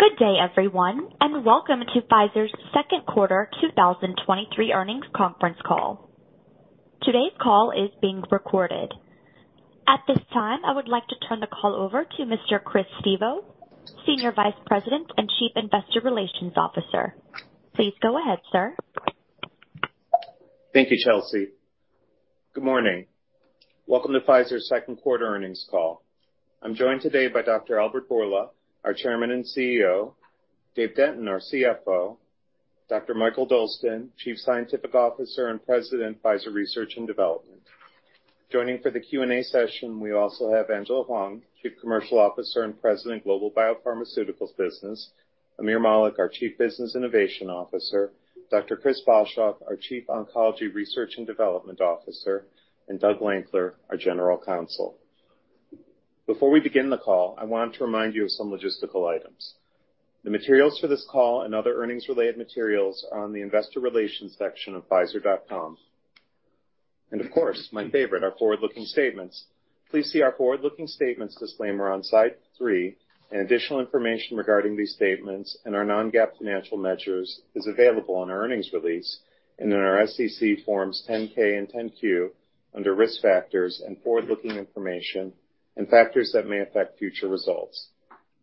Good day, everyone, and welcome to Pfizer's second quarter 2023 earnings conference call. Today's call is being recorded. At this time, I would like to turn the call over to Mr. Chris Stevo, Senior Vice President and Chief Investor Relations Officer. Please go ahead, sir. Thank you, Chelsea. Good morning. Welcome to Pfizer's second quarter earnings call. I'm joined today by Dr. Albert Bourla, our Chairman and CEO, Dave Denton, our CFO, Dr. Mikael Dolsten, Chief Scientific Officer and President, Pfizer Research and Development. Joining for the Q&A session, we also have Angela Hwang, Chief Commercial Officer and President, Global Biopharmaceuticals Business, Aamir Malik, our Chief Business Innovation Officer, Dr. Chris Boshoff, our Chief Oncology Research and Development Officer, and Doug Lankler, our General Counsel. Before we begin the call, I want to remind you of some logistical items. The materials for this call and other earnings-related materials are on the investor relations section of pfizer.com. Of course, my favorite, our forward-looking statements. Please see our forward-looking statements disclaimer on slide three, and additional information regarding these statements and our non-GAAP financial measures is available on our earnings release and in our SEC forms 10-K and 10-Q under Risk Factors and Forward-Looking Information and Factors That May Affect Future Results.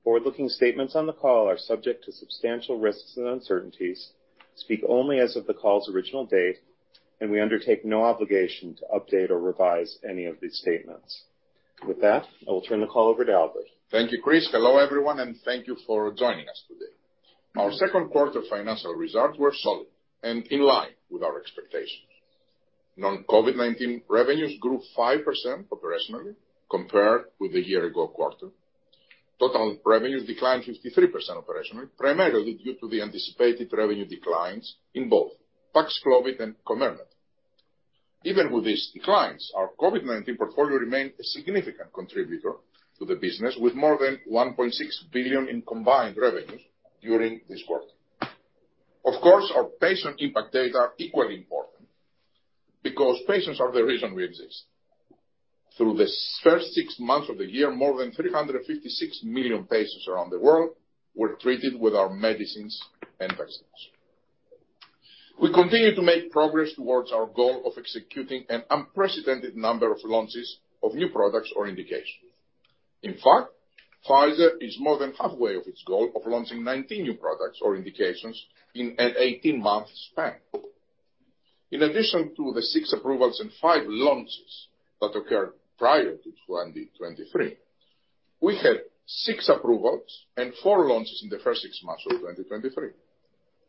Forward-looking statements on the call are subject to substantial risks and uncertainties, speak only as of the call's original date, and we undertake no obligation to update or revise any of these statements. With that, I will turn the call over to Albert. Thank you, Chris. Hello, everyone, and thank you for joining us today. Our second quarter financial results were solid and in line with our expectations. Non-COVID-19 revenues grew 5% operationally compared with the year ago quarter. Total revenues declined 53% operationally, primarily due to the anticipated revenue declines in both Paxlovid and Comirnaty. Even with these declines, our COVID-19 portfolio remained a significant contributor to the business, with more than $1.6 billion in combined revenues during this quarter. Of course, our patient impact data are equally important because patients are the reason we exist. Through the first six months of the year, more than 356 million patients around the world were treated with our medicines and vaccines. We continue to make progress towards our goal of executing an unprecedented number of launches of new products or indications. In fact, Pfizer is more than halfway of its goal of launching 19 new products or indications in an 18-month span. In addition to the six approvals and five launches that occurred prior to 2023, we had six approvals and four launches in the first six months of 2023.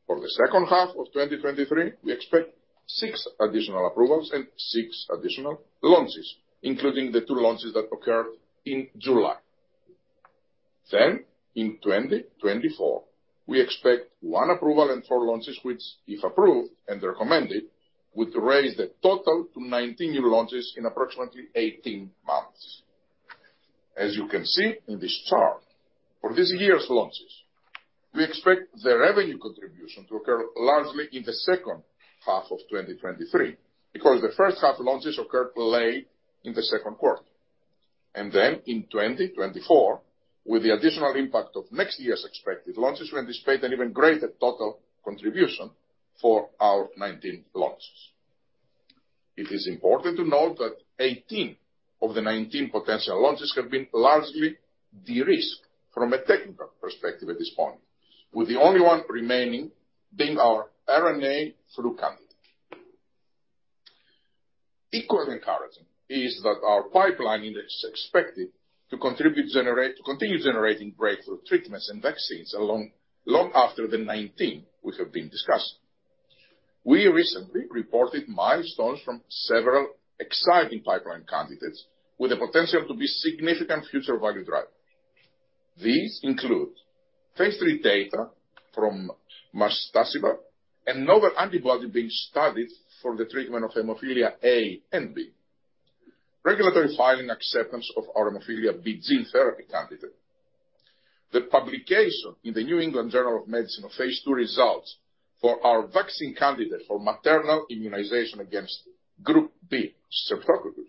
For the second half of 2023, we expect six additional approvals and six additional launches, including the two launches that occurred in July. In 2024, we expect one approval and four launches, which, if approved and recommended, would raise the total to 19 new launches in approximately 18 months. As you can see in this chart, for this year's launches, we expect the revenue contribution to occur largely in the second half of 2023, because the first half launches occurred late in the second quarter. Then in 2024, with the additional impact of next year's expected launches, we anticipate an even greater total contribution for our 19 launches. It is important to note that 18 of the 19 potential launches have been largely de-risked from a technical perspective at this point, with the only one remaining being our mRNA flu candidate. Equally encouraging is that our pipeline is expected to continue generating breakthrough treatments and vaccines along, long after the 19 we have been discussing. We recently reported milestones from several exciting pipeline candidates with the potential to be significant future value drivers. These include phase III data from marstacimab, a novel antibody being studied for the treatment of hemophilia A and B, regulatory filing acceptance of our hemophilia B gene therapy candidate, the publication in The New England Journal of Medicine of phase II results for our vaccine candidate for maternal immunization against Group B Streptococcus,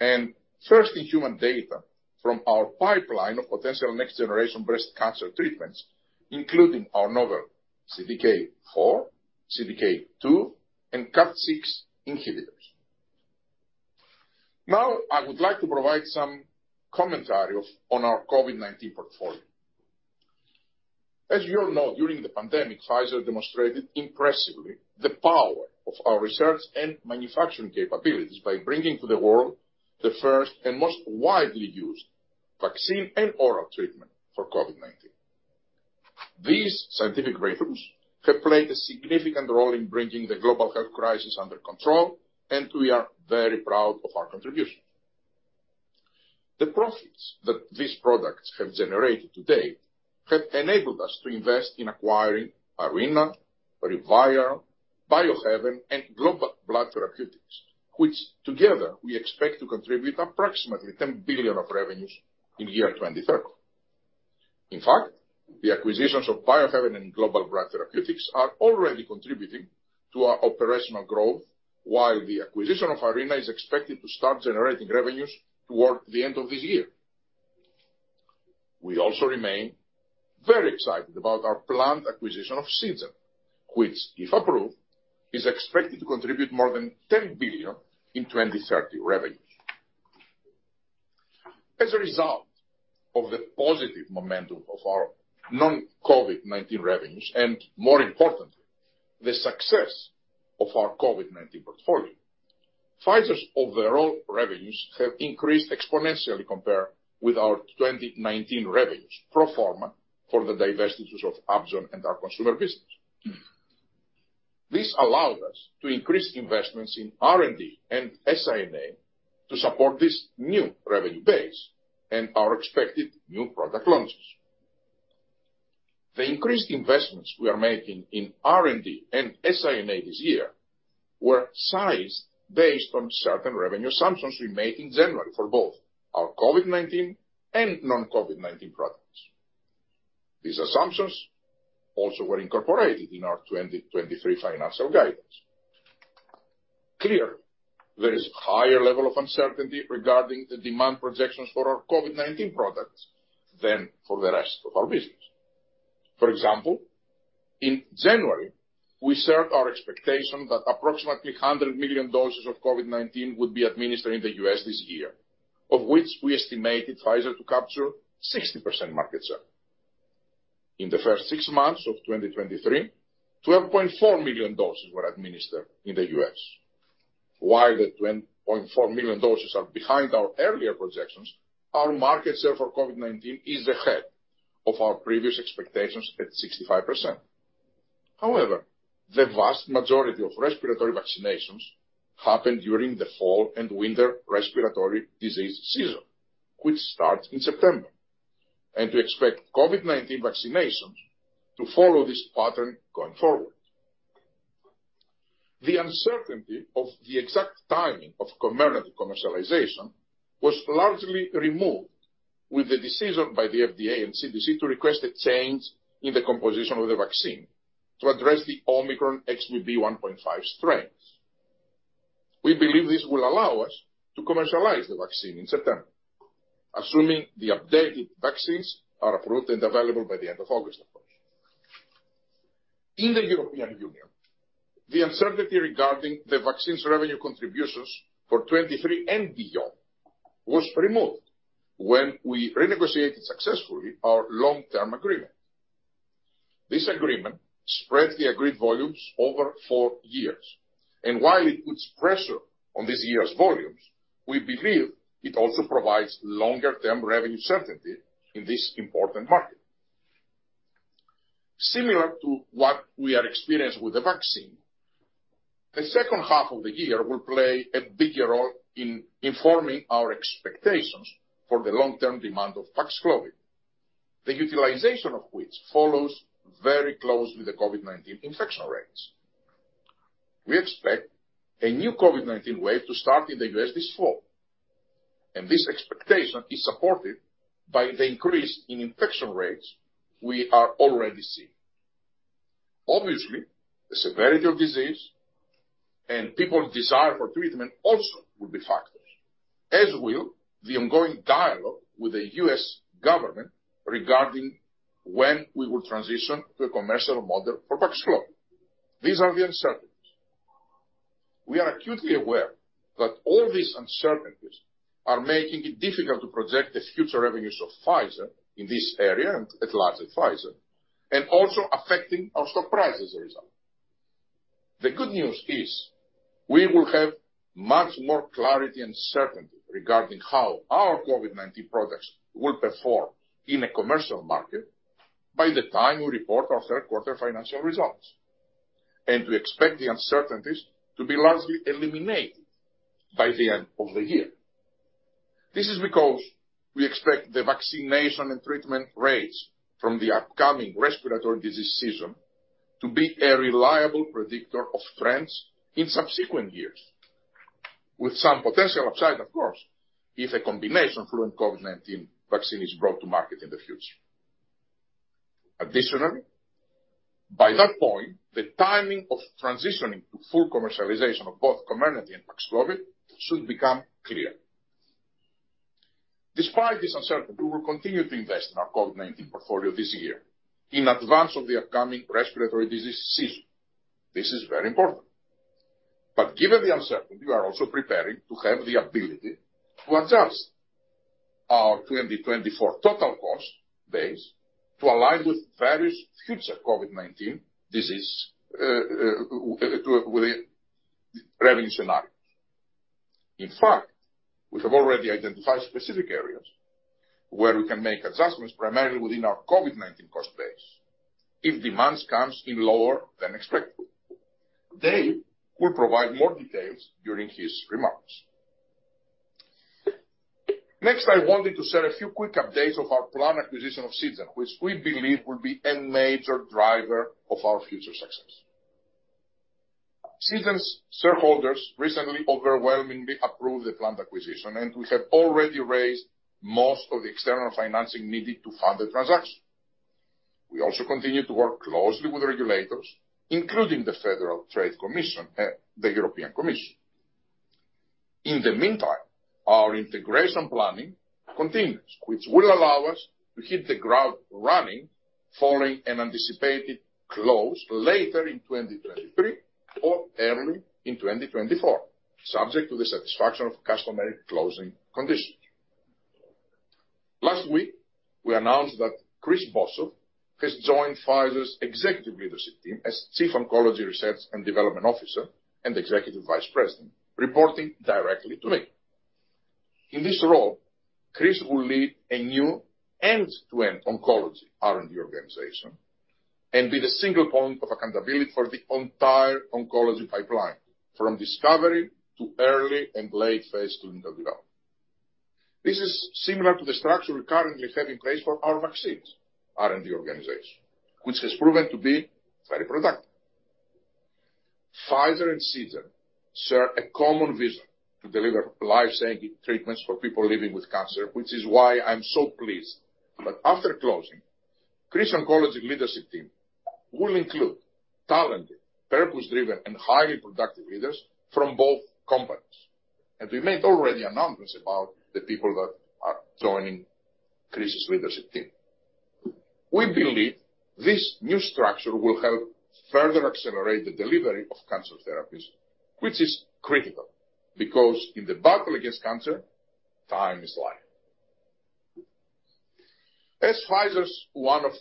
and first in human data from our pipeline of potential next-generation breast cancer treatments, including our novel CDK4, CDK2, and KAT6 inhibitors. I would like to provide some commentary on our COVID-19 portfolio. As you all know, during the pandemic, Pfizer demonstrated impressively the power of our research and manufacturing capabilities by bringing to the world the first and most widely used vaccine and oral treatment for COVID-19. These scientific breakthroughs have played a significant role in bringing the global health crisis under control, and we are very proud of our contribution. The profits that these products have generated to date have enabled us to invest in acquiring Arena, ReViral, Biohaven, and Global Blood Therapeutics, which together we expect to contribute approximately $10 billion of revenues in year 2030. The acquisitions of Biohaven and Global Blood Therapeutics are already contributing to our operational growth, while the acquisition of Arena is expected to start generating revenues toward the end of this year. We also remain very excited about our planned acquisition of Seagen, which, if approved, is expected to contribute more than $10 billion in 2030 revenue. As a result of the positive momentum of our non-COVID-19 revenues, more importantly, the success of our COVID-19 portfolio, Pfizer's overall revenues have increased exponentially compared with our 2019 revenues, pro forma, for the divestitures of AbbVie and our consumer business. This allowed us to increase investments in R&D and SI&A to support this new revenue base and our expected new product launches. The increased investments we are making in R&D and SI&A this year were sized based on certain revenue assumptions we made in January for both our COVID-19 and non-COVID-19 products. These assumptions also were incorporated in our 2023 financial guidance. Clearly, there is higher level of uncertainty regarding the demand projections for our COVID-19 products than for the rest of our business. For example, in January, we shared our expectation that approximately 100 million doses of COVID-19 would be administered in the U.S. this year, of which we estimated Pfizer to capture 60% market share. In the first six months of 2023, 12.4 million doses were administered in the U.S. While the 20.4 million doses are behind our earlier projections, our market share for COVID-19 is ahead of our previous expectations at 65%. However, the vast majority of respiratory vaccinations happened during the fall and winter respiratory disease season, which starts in September, and we expect COVID-19 vaccinations to follow this pattern going forward. The uncertainty of the exact timing of Comirnaty commercialization was largely removed with the decision by the FDA and CDC to request a change in the composition of the vaccine to address the Omicron XBB.1.5 strains. We believe this will allow us to commercialize the vaccine in September, assuming the updated vaccines are approved and available by the end of August, of course. In the European Union, the uncertainty regarding the vaccine's revenue contributions for 2023 and beyond was removed when we renegotiated successfully our long-term agreement. This agreement spread the agreed volumes over four years, while it puts pressure on this year's volumes, we believe it also provides longer-term revenue certainty in this important market. Similar to what we are experiencing with the vaccine, the second half of the year will play a bigger role in informing our expectations for the long-term demand of Paxlovid, the utilization of which follows very close with the COVID-19 infection rates. We expect a new COVID-19 wave to start in the U.S. this fall, this expectation is supported by the increase in infection rates we are already seeing. Obviously, the severity of disease and people's desire for treatment also will be factors, as will the ongoing dialogue with the U.S. government regarding when we will transition to a commercial model for Paxlovid. These are the uncertainties. We are acutely aware that all these uncertainties are making it difficult to project the future revenues of Pfizer in this area, and at larger, Pfizer, and also affecting our stock price as a result. The good news is, we will have much more clarity and certainty regarding how our COVID-19 products will perform in a commercial market by the time we report our third quarter financial results, and we expect the uncertainties to be largely eliminated by the end of the year. This is because we expect the vaccination and treatment rates from the upcoming respiratory disease season to be a reliable predictor of trends in subsequent years, with some potential upside, of course, if a combination flu and COVID-19 vaccine is brought to market in the future. Additionally, by that point, the timing of transitioning to full commercialization of both Comirnaty and Paxlovid should become clear. Despite this uncertainty, we will continue to invest in our COVID-19 portfolio this year in advance of the upcoming respiratory disease season. This is very important. Given the uncertainty, we are also preparing to have the ability to adjust our 2024 total cost base to align with various future COVID-19 disease with the revenue scenarios. In fact, we have already identified specific areas where we can make adjustments, primarily within our COVID-19 cost base, if demands comes in lower than expected. Dave will provide more details during his remarks. Next, I wanted to share a few quick updates of our planned acquisition of Seagen, which we believe will be a major driver of our future success. Seagen's shareholders recently overwhelmingly approved the planned acquisition, and we have already raised most of the external financing needed to fund the transaction. We also continue to work closely with regulators, including the Federal Trade Commission, the European Commission. In the meantime, our integration planning continues, which will allow us to hit the ground running following an anticipated close later in 2023 or early in 2024, subject to the satisfaction of customary closing conditions. Last week, we announced that Chris Boshoff has joined Pfizer's executive leadership team as Chief Oncology Research and Development Officer and Executive Vice President, reporting directly to me. In this role, Chris will lead a new end-to-end oncology R&D organization and be the single point of accountability for the entire oncology pipeline, from discovery to early and late-phase clinical development. This is similar to the structure we currently have in place for our vaccines, R&D organization, which has proven to be very productive. Pfizer and Seagen share a common vision to deliver life-saving treatments for people living with cancer, which is why I'm so pleased that after closing, Chris' oncology leadership team will include talented, purpose-driven, and highly productive leaders from both companies. We made already announcements about the people that are joining Chris' leadership team. We believe this new structure will help further accelerate the delivery of cancer therapies, which is critical, because in the battle against cancer, time is life. Pfizer's one of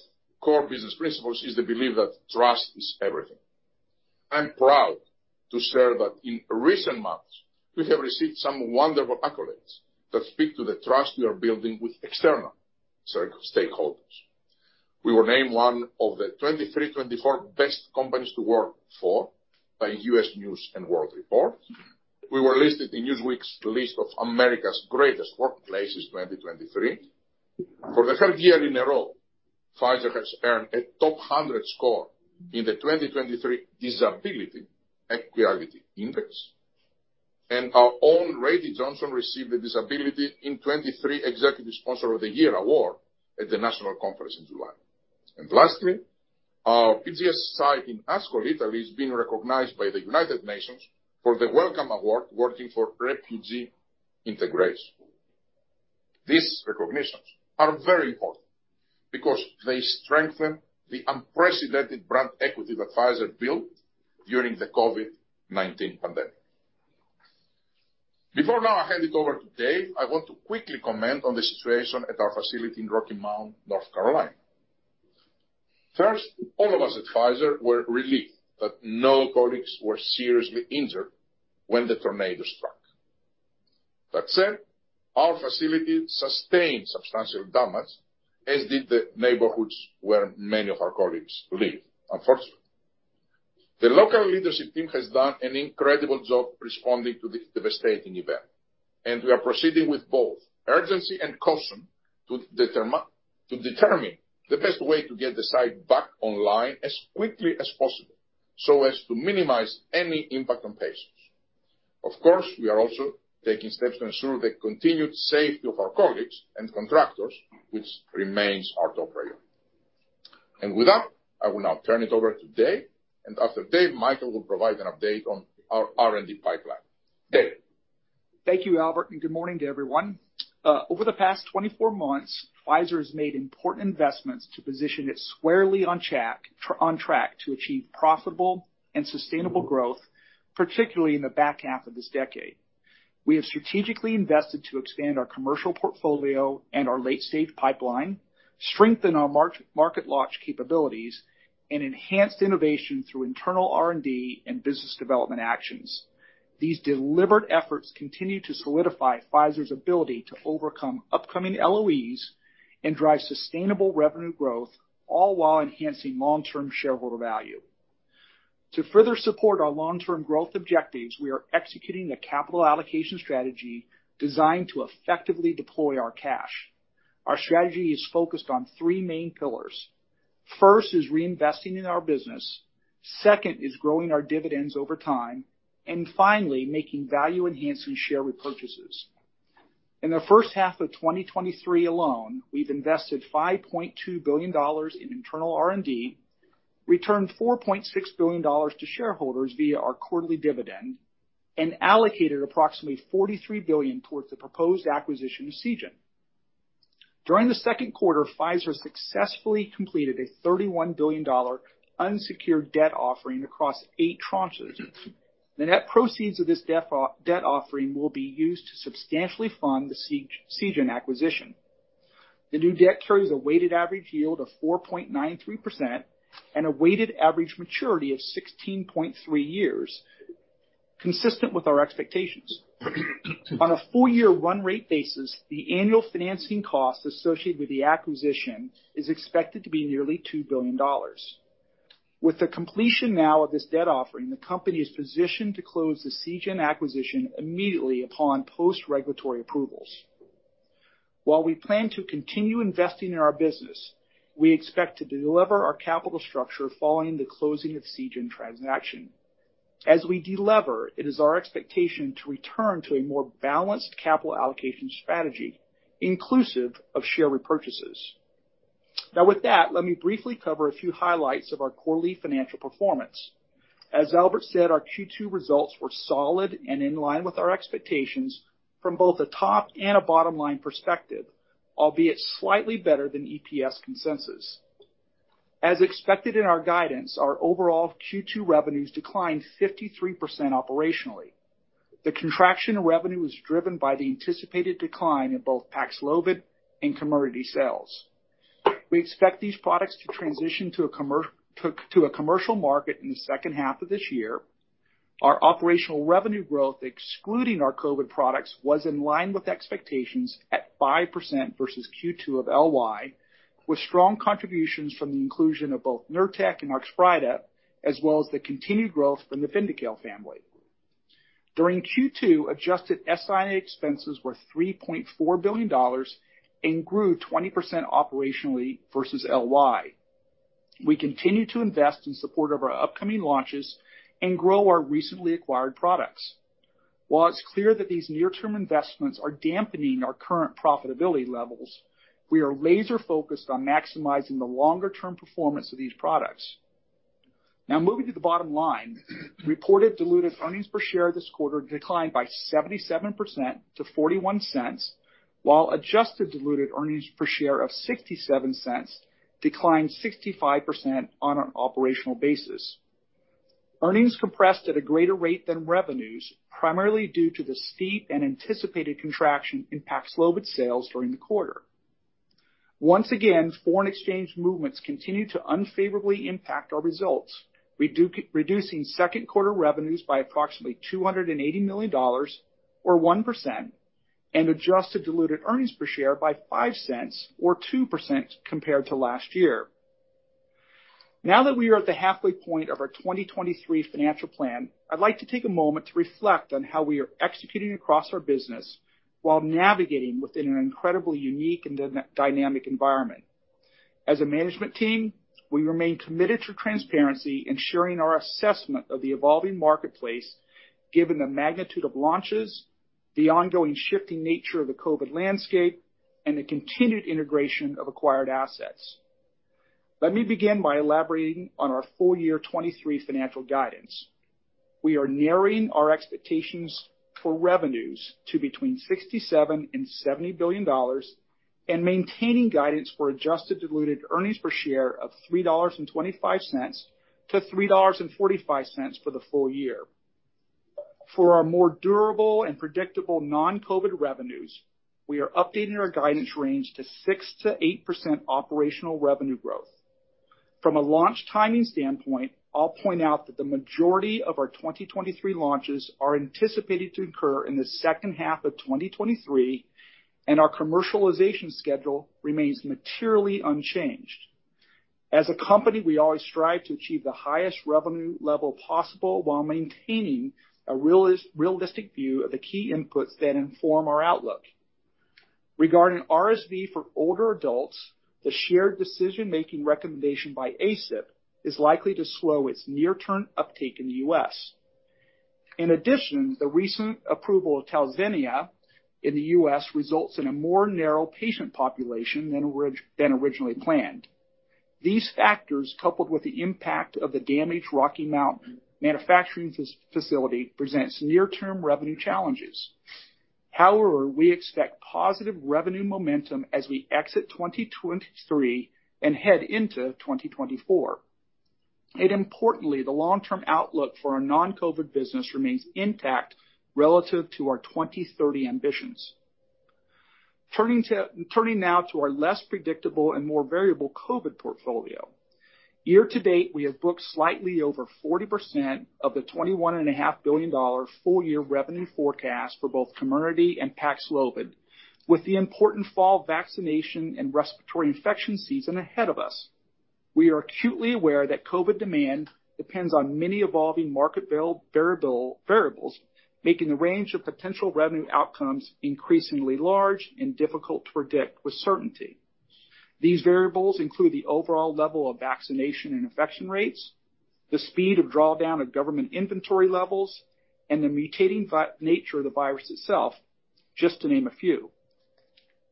core business principles is the belief that trust is everything. I'm proud to share that in recent months, we have received some wonderful accolades that speak to the trust we are building with external stakeholders. We were named one of the 2023, 2024 Best Companies to Work For by U.S. News & World Report. We were listed in Newsweek's list of America's Greatest Workplaces 2023. For the third year in a row, Pfizer has earned a top 100 score in the 2023 Disability Equity Index, and our own Rady Johnson received a Disability in 2023 Executive Sponsor of the Year award at the national conference in July. Lastly, our PGSS site in Ascoli, Italy, has been recognized by the United Nations for the Welcome Award, Working for Refugee Integration. These recognitions are very important because they strengthen the unprecedented brand equity that Pfizer built during the COVID-19 pandemic. Before now, I hand it over to Dave, I want to quickly comment on the situation at our facility in Rocky Mount, North Carolina. First, all of us at Pfizer were relieved that no colleagues were seriously injured when the tornado struck. That said, our facility sustained substantial damage, as did the neighborhoods where many of our colleagues live, unfortunately. The local leadership team has done an incredible job responding to the devastating event, we are proceeding with both urgency and caution to determine the best way to get the site back online as quickly as possible, so as to minimize any impact on patients. Of course, we are also taking steps to ensure the continued safety of our colleagues and contractors, which remains our top priority. With that, I will now turn it over to Dave, and after Dave, Mikael will provide an update on our R&D pipeline. Dave? Thank you, Albert, good morning to everyone. Over the past 24 months, Pfizer has made important investments to position it squarely on track, on track to achieve profitable and sustainable growth, particularly in the back half of this decade. We have strategically invested to expand our commercial portfolio and our late-stage pipeline, strengthen our market launch capabilities, and enhanced innovation through internal R&D and business development actions. These deliberate efforts continue to solidify Pfizer's ability to overcome upcoming LOEs and drive sustainable revenue growth, all while enhancing long-term shareholder value. To further support our long-term growth objectives, we are executing a capital allocation strategy designed to effectively deploy our cash. Our strategy is focused on three main pillars. First is reinvesting in our business, second is growing our dividends over time, and finally, making value-enhancing share repurchases. In the first half of 2023 alone, we've invested $5.2 billion in internal R&D, returned $4.6 billion to shareholders via our quarterly dividend, and allocated approximately $43 billion towards the proposed acquisition of Seagen. During the second quarter, Pfizer successfully completed a $31 billion unsecured debt offering across eight tranches. The net proceeds of this debt offering will be used to substantially fund the Seagen acquisition. The new debt carries a weighted average yield of 4.93% and a weighted average maturity of 16.3 years, consistent with our expectations. On a full year run rate basis, the annual financing cost associated with the acquisition is expected to be nearly $2 billion. With the completion now of this debt offering, the company is positioned to close the Seagen acquisition immediately upon post-regulatory approvals. While we plan to continue investing in our business, we expect to delever our capital structure following the closing of the Seagen transaction. As we delever, it is our expectation to return to a more balanced capital allocation strategy, inclusive of share repurchases. With that, let me briefly cover a few highlights of our quarterly financial performance. As Albert said, our Q2 results were solid and in line with our expectations from both a top and a bottom-line perspective, albeit slightly better than EPS consensus. As expected in our guidance, our overall Q2 revenues declined 53% operationally. The contraction in revenue was driven by the anticipated decline in both Paxlovid and Comirnaty sales. We expect these products to transition to a commercial market in the second half of this year. Our operational revenue growth, excluding our COVID products, was in line with expectations at 5% versus Q2 of LY, with strong contributions from the inclusion of both Nurtec and Oxbryta, as well as the continued growth from the Vyndaqel family. During Q2, adjusted SI&A expenses were $3.4 billion and grew 20% operationally versus LY. We continue to invest in support of our upcoming launches and grow our recently acquired products. While it's clear that these near-term investments are dampening our current profitability levels, we are laser-focused on maximizing the longer-term performance of these products. Now moving to the bottom line, reported diluted earnings per share this quarter declined by 77% to $0.41, while adjusted diluted earnings per share of $0.67 declined 65% on an operational basis. Earnings compressed at a greater rate than revenues, primarily due to the steep and anticipated contraction in Paxlovid sales during the quarter. Once again, foreign exchange movements continued to unfavorably impact our results, reducing second quarter revenues by approximately $280 million, or 1%, and adjusted diluted earnings per share by $0.05 or 2% compared to last year. Now that we are at the halfway point of our 2023 financial plan, I'd like to take a moment to reflect on how we are executing across our business while navigating within an incredibly unique and dynamic environment. As a management team, we remain committed to transparency, ensuring our assessment of the evolving marketplace, given the magnitude of launches, the ongoing shifting nature of the COVID landscape, and the continued integration of acquired assets. Let me begin by elaborating on our full year 2023 financial guidance. We are narrowing our expectations for revenues to between $67 billion and $70 billion, and maintaining guidance for adjusted diluted earnings per share of $3.25-$3.45 for the full year. For our more durable and predictable non-COVID revenues, we are updating our guidance range to 6%-8% operational revenue growth. From a launch timing standpoint, I'll point out that the majority of our 2023 launches are anticipated to occur in the second half of 2023, and our commercialization schedule remains materially unchanged. As a company, we always strive to achieve the highest revenue level possible while maintaining a realistic view of the key inputs that inform our outlook. Regarding RSV for older adults, the shared decision-making recommendation by ACIP is likely to slow its near-term uptake in the U.S. In addition, the recent approval of Talzenna in the U.S. results in a more narrow patient population than originally planned. These factors, coupled with the impact of the damaged Rocky Mount manufacturing facility, presents near-term revenue challenges. However, we expect positive revenue momentum as we exit 2023 and head into 2024. Importantly, the long-term outlook for our non-COVID business remains intact relative to our 2030 ambitions. Turning now to our less predictable and more variable COVID portfolio. Year to date, we have booked slightly over 40% of the $21.5 billion full year revenue forecast for both Comirnaty and Paxlovid, with the important fall vaccination and respiratory infection season ahead of us. We are acutely aware that COVID demand depends on many evolving market variables, making the range of potential revenue outcomes increasingly large and difficult to predict with certainty. These variables include the overall level of vaccination and infection rates, the speed of drawdown of government inventory levels, and the mutating nature of the virus itself, just to name a few.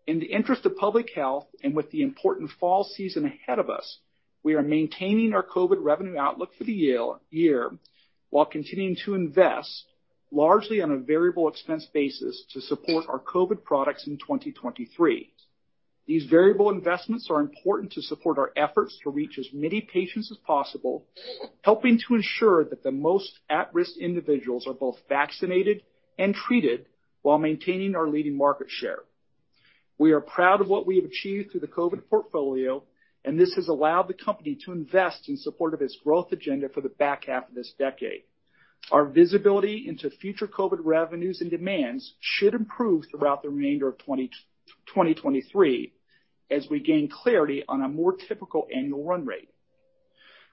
In the interest of public health and with the important fall season ahead of us, we are maintaining our COVID revenue outlook for the year, while continuing to invest largely on a variable expense basis to support our COVID products in 2023. These variable investments are important to support our efforts to reach as many patients as possible, helping to ensure that the most at-risk individuals are both vaccinated and treated while maintaining our leading market share. We are proud of what we have achieved through the COVID portfolio, this has allowed the company to invest in support of its growth agenda for the back half of this decade. Our visibility into future COVID revenues and demands should improve throughout the remainder of 2023, as we gain clarity on a more typical annual run rate.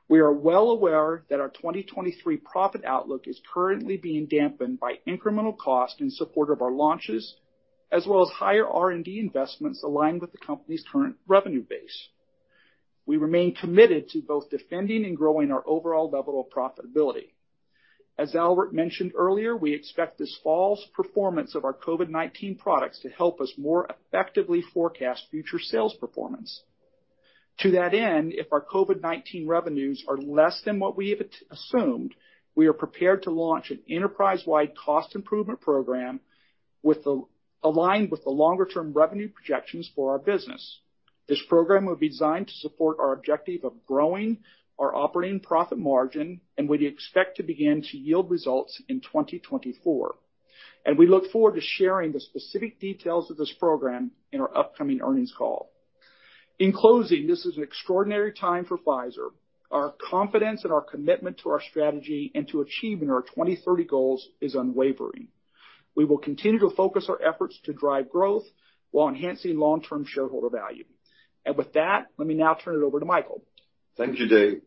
We are well aware that our 2023 profit outlook is currently being dampened by incremental cost in support of our launches, as well as higher R&D investments aligned with the company's current revenue base. We remain committed to both defending and growing our overall level of profitability. As Albert mentioned earlier, we expect this fall's performance of our COVID-19 products to help us more effectively forecast future sales performance. To that end, if our COVID-19 revenues are less than what we have assumed, we are prepared to launch an enterprise-wide cost improvement program aligned with the longer-term revenue projections for our business. This program will be designed to support our objective of growing our operating profit margin, and we expect to begin to yield results in 2024. We look forward to sharing the specific details of this program in our upcoming earnings call. In closing, this is an extraordinary time for Pfizer. Our confidence and our commitment to our strategy and to achieving our 2030 goals is unwavering. We will continue to focus our efforts to drive growth while enhancing long-term shareholder value. With that, let me now turn it over to Mikael. Thank you, Dave.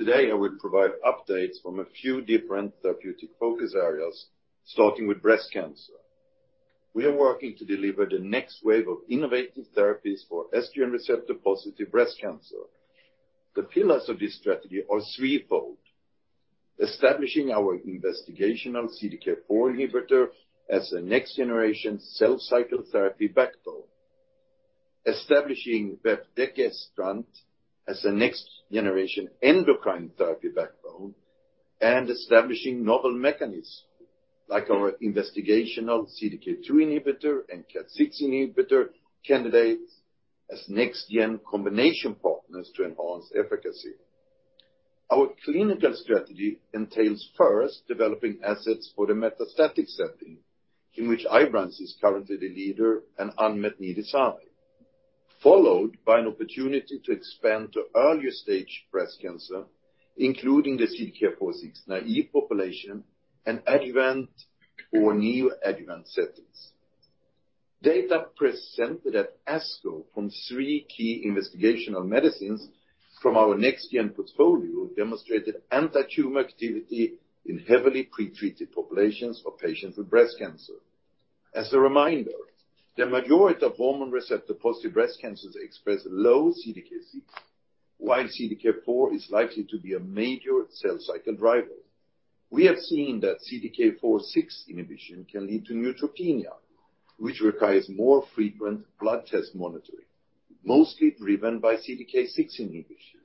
Today, I will provide updates from a few different therapeutic focus areas, starting with breast cancer. We are working to deliver the next wave of innovative therapies for estrogen receptor-positive breast cancer. The pillars of this strategy are threefold: establishing our investigational CDK4 inhibitor as a next-generation cell cycle therapy backbone, establishing vepdegestrant as a next-generation endocrine therapy backbone, and establishing novel mechanisms like our investigational CDK2 inhibitor and KAT6 inhibitor candidates as next-gen combination partners to enhance efficacy. Our clinical strategy entails, first, developing assets for the metastatic setting, in which Ibrance is currently the leader and unmet need is high, followed by an opportunity to expand to earlier-stage breast cancer, including the CDK4/6-naive population and adjuvant or neo-adjuvant settings. Data presented at ASCO from three key investigational medicines from our next-gen portfolio demonstrated antitumor activity in heavily pretreated populations of patients with breast cancer. As a reminder, the majority of hormone receptor-positive breast cancers express low CDK6, while CDK4 is likely to be a major cell cycle driver. We have seen that CDK4/6 inhibition can lead to neutropenia, which requires more frequent blood test monitoring, mostly driven by CDK6 inhibition.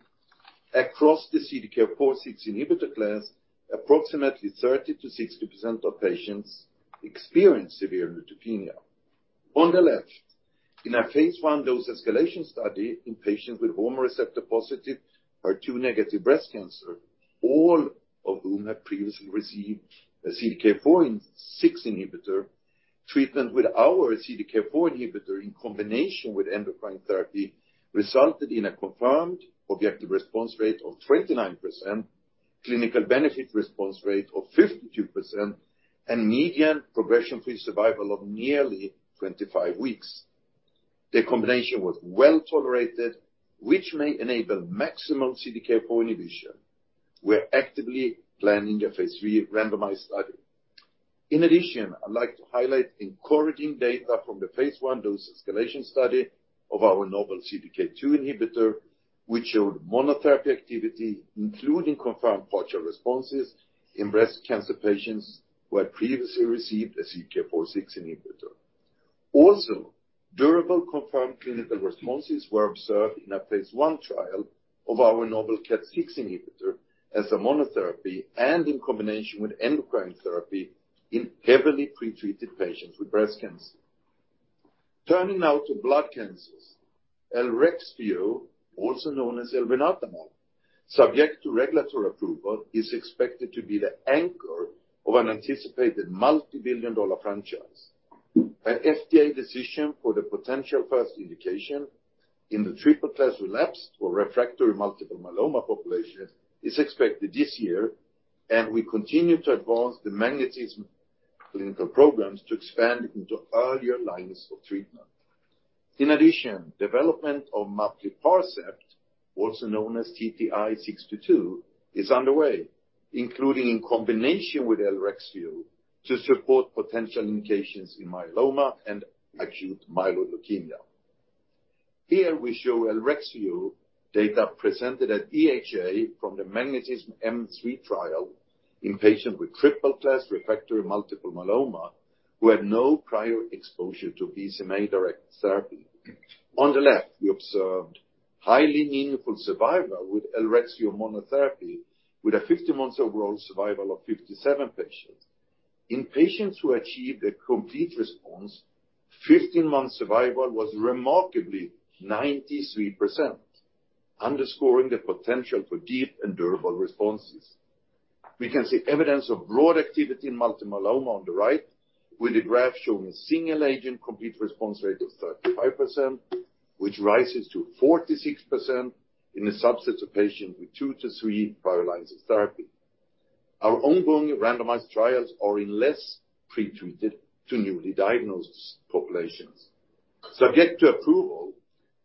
Across the CDK4/6 inhibitor class, approximately 30%-60% of patients experience severe neutropenia. On the left, in a phase I dose-escalation study in patients with hormone receptor-positive, HER2-negative breast cancer, all of whom had previously received a CDK4 and 6 inhibitor, treatment with our CDK4 inhibitor in combination with endocrine therapy, resulted in a confirmed objective response rate of 29%, clinical benefit response rate of 52%, and median progression-free survival of nearly 25 weeks. The combination was well tolerated, which may enable maximum CDK4 inhibition. We're actively planning a phase III randomized study. In addition, I'd like to highlight encouraging data from the phase I dose-escalation study of our novel CDK2 inhibitor, which showed monotherapy activity, including confirmed partial responses in breast cancer patients who had previously received a CDK4/6 inhibitor. Durable confirmed clinical responses were observed in a phase I trial of our novel KAT6 inhibitor as a monotherapy and in combination with endocrine therapy in heavily pretreated patients with breast cancer. Turning now to blood cancers, Elrexfio, also known as elranatamab, subject to regulatory approval, is expected to be the anchor of an anticipated multibillion-dollar franchise. An FDA decision for the potential first indication in the triple-class relapsed or refractory multiple myeloma populations is expected this year, we continue to advance the MagnetisMM clinical programs to expand into earlier lines of treatment. Development of maplirpacept, also known as TTI-622, is underway, including in combination with Elrexfio, to support potential indications in myeloma and acute myeloid leukemia. Here we show Elrexfio data presented at EHA from the MagnetisMM-3 trial in patients with triple-class refractory multiple myeloma, who had no prior exposure to BCMA-directed therapy. On the left, we observed highly meaningful survival with Elrexfio monotherapy, with a 50-month overall survival of 57 patients. In patients who achieved a complete response, 15-month survival was remarkably 93%, underscoring the potential for deep and durable responses. We can see evidence of broad activity in multiple myeloma on the right, with the graph showing a single-agent complete response rate of 35%, which rises to 46% in a subset of patients with two to three prior lines of therapy. Our ongoing randomized trials are in less pretreated to newly diagnosed populations. Subject to approval,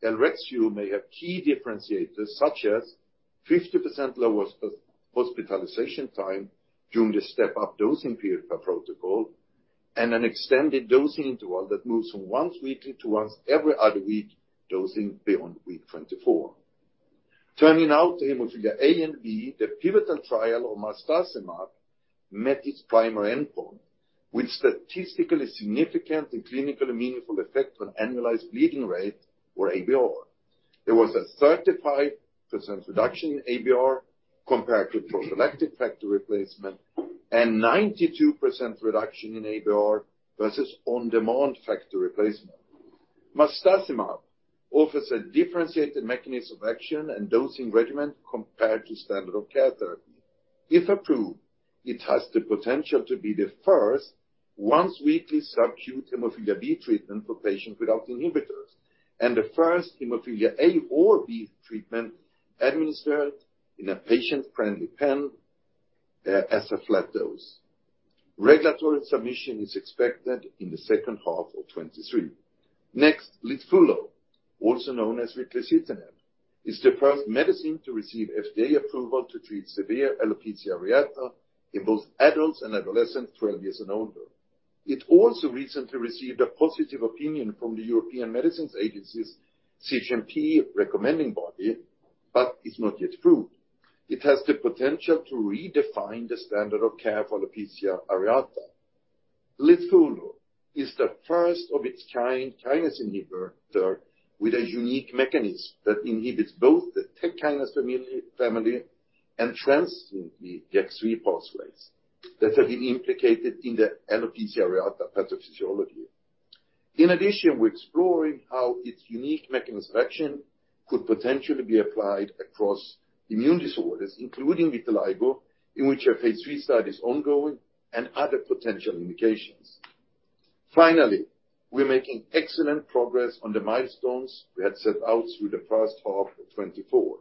Elrexfio may have key differentiators, such as 50% lower hospitalization time during the step-up dosing period per protocol, and an extended dosing interval that moves from once weekly to once every other week dosing beyond week 24. Turning now to hemophilia A and B, the pivotal trial of marstacimab met its primary endpoint with statistically significant and clinically meaningful effect on annualized bleeding rate or ABR. There was a 35% reduction in ABR compared to prophylactic factor replacement and 92% reduction in ABR versus on-demand factor replacement. marstacimab offers a differentiated mechanism of action and dosing regimen compared to standard of care therapy. If approved, it has the potential to be the first once-weekly subcutaneous hemophilia B treatment for patients without inhibitors, and the first hemophilia A or B treatment administered in a patient-friendly pen, as a flat dose. Regulatory submission is expected in the second half of 2023. Litfulo, also known as ritlecitinib, is the first medicine to receive FDA approval to treat severe alopecia areata in both adults and adolescents 12 years and older. It also recently received a positive opinion from the European Medicines Agency's CHMP recommending body. It's not yet approved. It has the potential to redefine the standard of care for alopecia areata. Litfulo is the first of its kind kinase inhibitor with a unique mechanism that inhibits both the Tec kinase family and that have been implicated in the alopecia areata pathophysiology. In addition, we're exploring how its unique mechanism of action could potentially be applied across immune disorders, including vitiligo, in which a phase III study is ongoing, and other potential indications. Finally, we're making excellent progress on the milestones we had set out through the first half of 2024.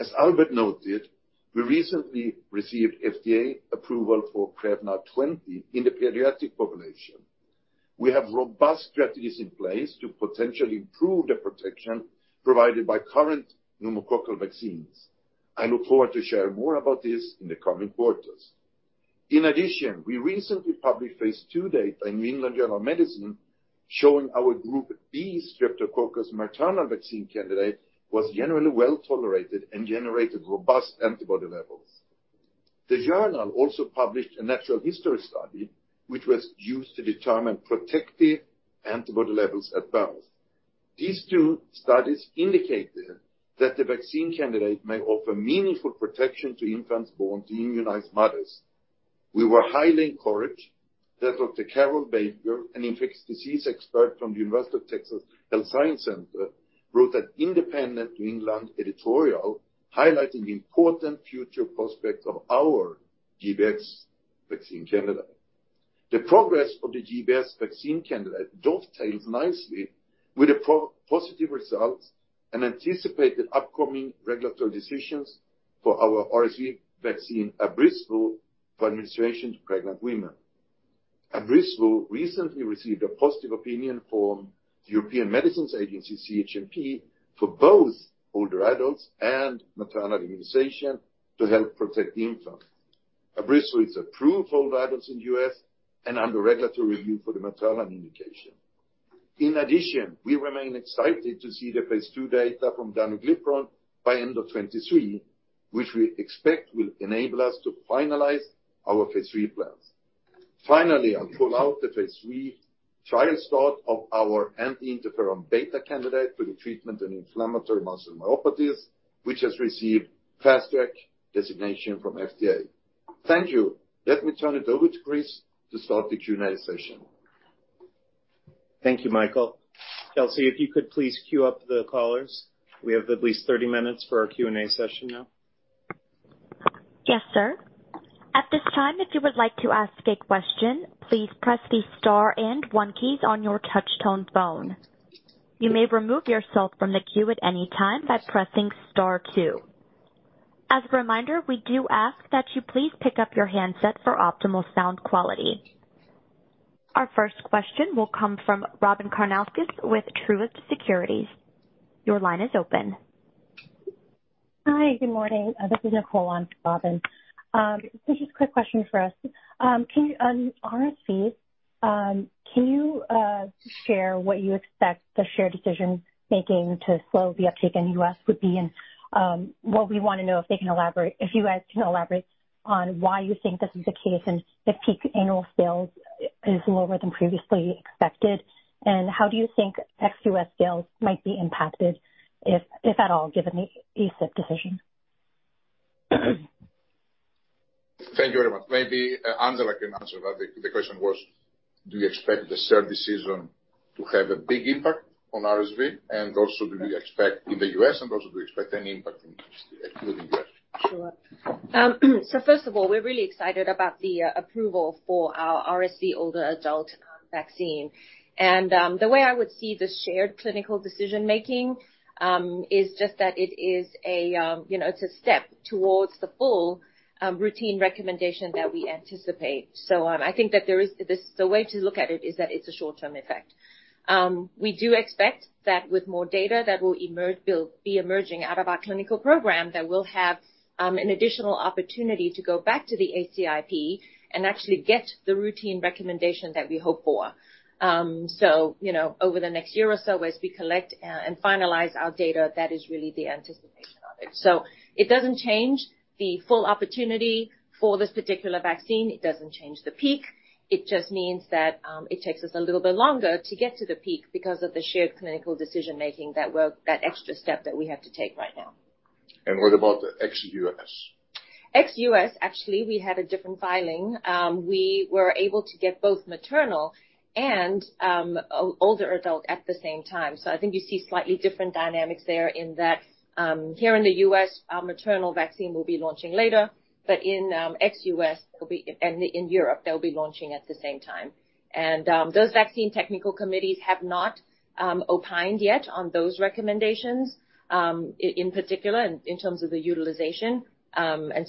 As Albert noted, we recently received FDA approval for Prevnar 20 in the pediatric population. We have robust strategies in place to potentially improve the protection provided by current pneumococcal vaccines. I look forward to sharing more about this in the coming quarters. We recently published phase II data in The New England Journal of Medicine, showing our Group B Streptococcus maternal vaccine candidate was generally well tolerated and generated robust antibody levels. The journal also published a natural history study, which was used to determine protective antibody levels at birth. These two studies indicated that the vaccine candidate may offer meaningful protection to infants born to immunized mothers. We were highly encouraged that Dr. Carol Baker, an infectious disease expert from the University of Texas Health Science Center, wrote an independent New England editorial highlighting the important future prospects of our GBS vaccine candidate. The progress of the GBS vaccine candidate dovetails nicely with the positive results and anticipated upcoming regulatory decisions for our RSV vaccine Abrysvo for administration to pregnant women. Abrysvo recently received a positive opinion from the European Medicines Agency, CHMP, for both older adults and maternal immunization to help protect the infant. Abrysvo is approved for older adults in the U.S. and under regulatory review for the maternal indication. In addition, we remain excited to see the phase II data from Danuglipron by end of 2023, which we expect will enable us to finalize our phase III plans. Finally, I'll pull out the phase III trial start of our anti-interferon beta candidate for the treatment of inflammatory muscle myopathies, which has received fast track designation from FDA. Thank you. Let me turn it over to Chris to start the Q&A session. Thank you, Mikael. Chelsea, if you could please queue up the callers. We have at least 30 minutes for our Q&A session now. Yes, sir. At this time, if you would like to ask a question, please press the star and one keys on your touch tone phone. You may remove yourself from the queue at any time by pressing star two. As a reminder, we do ask that you please pick up your handset for optimal sound quality. Our first question will come from Robyn Karnauskas with Truist Securities. Your line is open. Hi, good morning. This is Nicole on for Robyn. This is a quick question for us. Can you RSV, can you share what you expect the shared decision-making to slow the uptake in U.S. would be? What we want to know if they can elaborate, if you guys can elaborate on why you think this is the case and if peak annual sales is lower than previously expected, and how do you think ex-U.S. sales might be impacted, if, if at all, given the ACIP decision? Thank you very much. Maybe Angela can answer that. The question was, do you expect the shared decision to have a big impact on RSV, also do we expect in the U.S., also do we expect any impact in excluding U.S.? Sure. First of all, we're really excited about the approval for our RSV older adult vaccine. The way I would see the shared clinical decision-making is just that it is a, you know, it's a step towards the full routine recommendation that we anticipate. I think that the way to look at it is that it's a short-term effect. We do expect that with more data that will emerge, be emerging out of our clinical program, that we'll have an additional opportunity to go back to the ACIP and actually get the routine recommendation that we hope for. You know, over the next year or so, as we collect and finalize our data, that is really the anticipation of it. It doesn't change the full opportunity for this particular vaccine. It doesn't change the peak. It just means that it takes us a little bit longer to get to the peak because of the shared clinical decision-making that extra step that we have to take right now. What about the ex-U.S.? Ex-U.S., actually, we had a different filing. We were able to get both maternal and older adult at the same time. I think you see slightly different dynamics there in that here in the U.S., our maternal vaccine will be launching later, but in ex-U.S., it'll be, In Europe, they'll be launching at the same time. Those vaccine technical committees have not opined yet on those recommendations in particular, in terms of the utilization.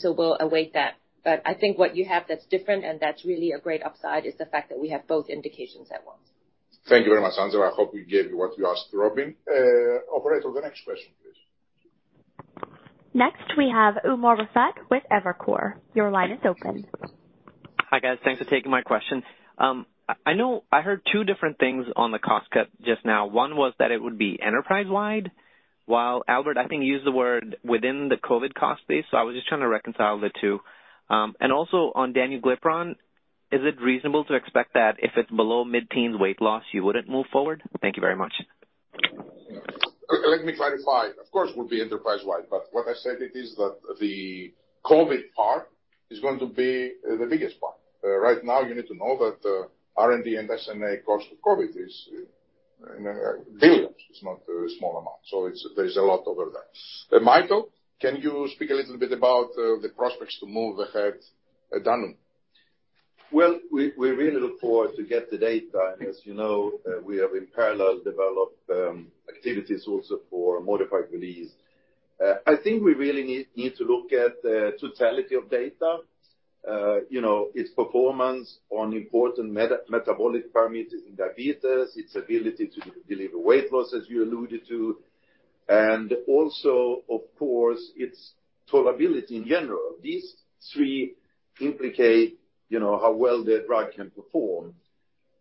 We'll await that. I think what you have that's different, and that's really a great upside, is the fact that we have both indications at once. Thank you very much, Angela. I hope we gave you what you asked, Robyn. Operator, the next question, please. Next, we have Umer Raffat with Evercore. Your line is open. Hi, guys. Thanks for taking my question. I, I know I heard two different things on the cost cut just now. One was that it would be enterprise-wide, while Albert, I think, used the word within the COVID cost base. I was just trying to reconcile the two. Also on Danuglipron, is it reasonable to expect that if it's below mid-teens weight loss, you wouldn't move forward? Thank you very much. Let me clarify. Of course, it would be enterprise-wide, what I said it is that the COVID part is going to be the biggest part. Right now, you need to know that R&D and SI&A cost of COVID is billions. It's not a small amount, so there's a lot over there. Mikael, can you speak a little bit about the prospects to move ahead, Danuglipron? Well, we, we really look forward to get the data. As you know, we have in parallel, developed activities also for modified release. I think we really need, need to look at the totality of data, you know, its performance on important metabolic parameters in diabetes, its ability to deliver weight loss, as you alluded to, and also, of course, its tolerability in general. These three implicate, you know, how well the drug can perform.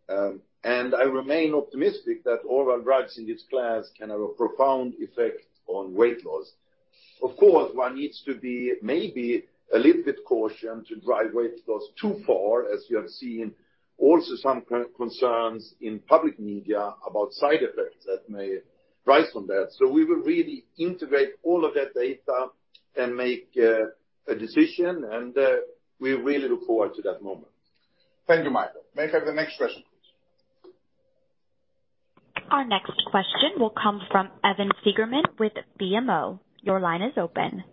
I remain optimistic that oral drugs in this class can have a profound effect on weight loss. Of course, one needs to be maybe a little bit cautious to drive weight loss too far, as you have seen also some concerns in public media about side effects that may rise from that. We will really integrate all of that data and make a decision, and we really look forward to that moment. Thank you, Mikael. May I have the next question, please? Our next question will come from Evan Seigerman with BMO Capital Markets. Your line is open.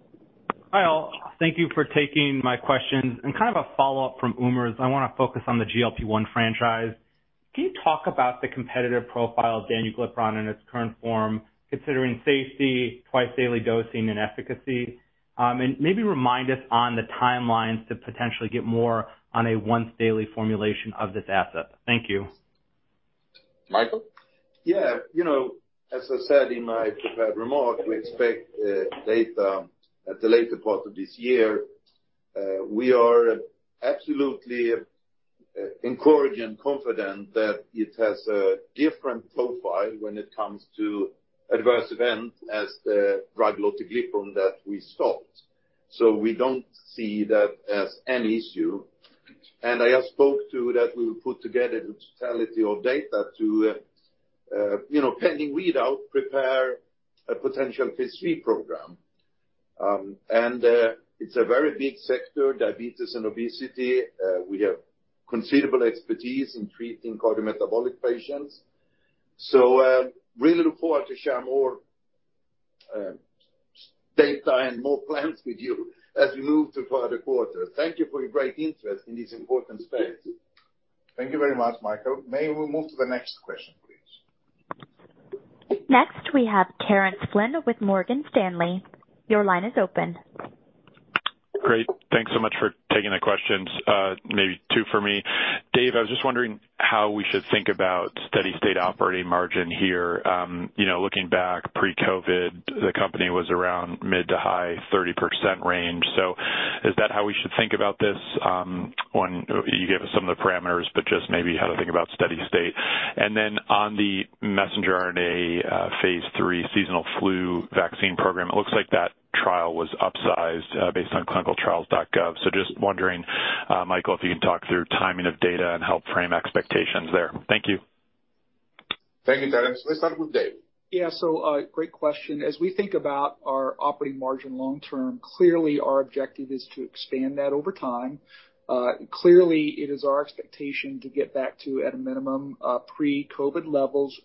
Hi, all. Thank you for taking my questions. Kind of a follow-up from Umer's. I want to focus on the GLP-1 franchise. Can you talk about the competitive profile of Danuglipron in its current form, considering safety, twice-daily dosing, and efficacy? Maybe remind us on the timelines to potentially get more on a once-daily formulation of this asset. Thank you. Mikael? Yeah. You know, as I said in my prepared remarks, we expect data at the later part of this year. We are absolutely encouraged and confident that it has a different profile when it comes to adverse events, as the drug lotiglipron that we stopped. We don't see that as an issue. I just spoke to that we will put together the totality of data to, you know, pending read out, prepare a potential phase III program. It's a very big sector, diabetes and obesity. We have considerable expertise in treating cardiometabolic patients. Really look forward to share more data and more plans with you as we move to further quarters. Thank you for your great interest in this important space. Thank you very much, Mikael. May we move to the next question, please? Next, we have Terence Flynn with Morgan Stanley. Your line is open. Great, thanks so much for taking the questions. Maybe two for me. David, I was just wondering how we should think about steady-state operating margin here. You know, looking back, pre-COVID, the company was around mid to high 30% range. Is that how we should think about this? When you gave us some of the parameters, but just maybe how to think about steady state. Then on the mRNA, phase III seasonal flu vaccine program, it looks like that trial was upsized, based on ClinicalTrials.gov. Just wondering, Mikael, if you can talk through timing of data and help frame expectations there. Thank you. Thank you, Terence. Let's start with Dave. Yeah, so, great question. As we think about our operating margin long term, clearly our objective is to expand that over time. Clearly, it is our expectation to get back to, at a minimum, pre-COVID levels.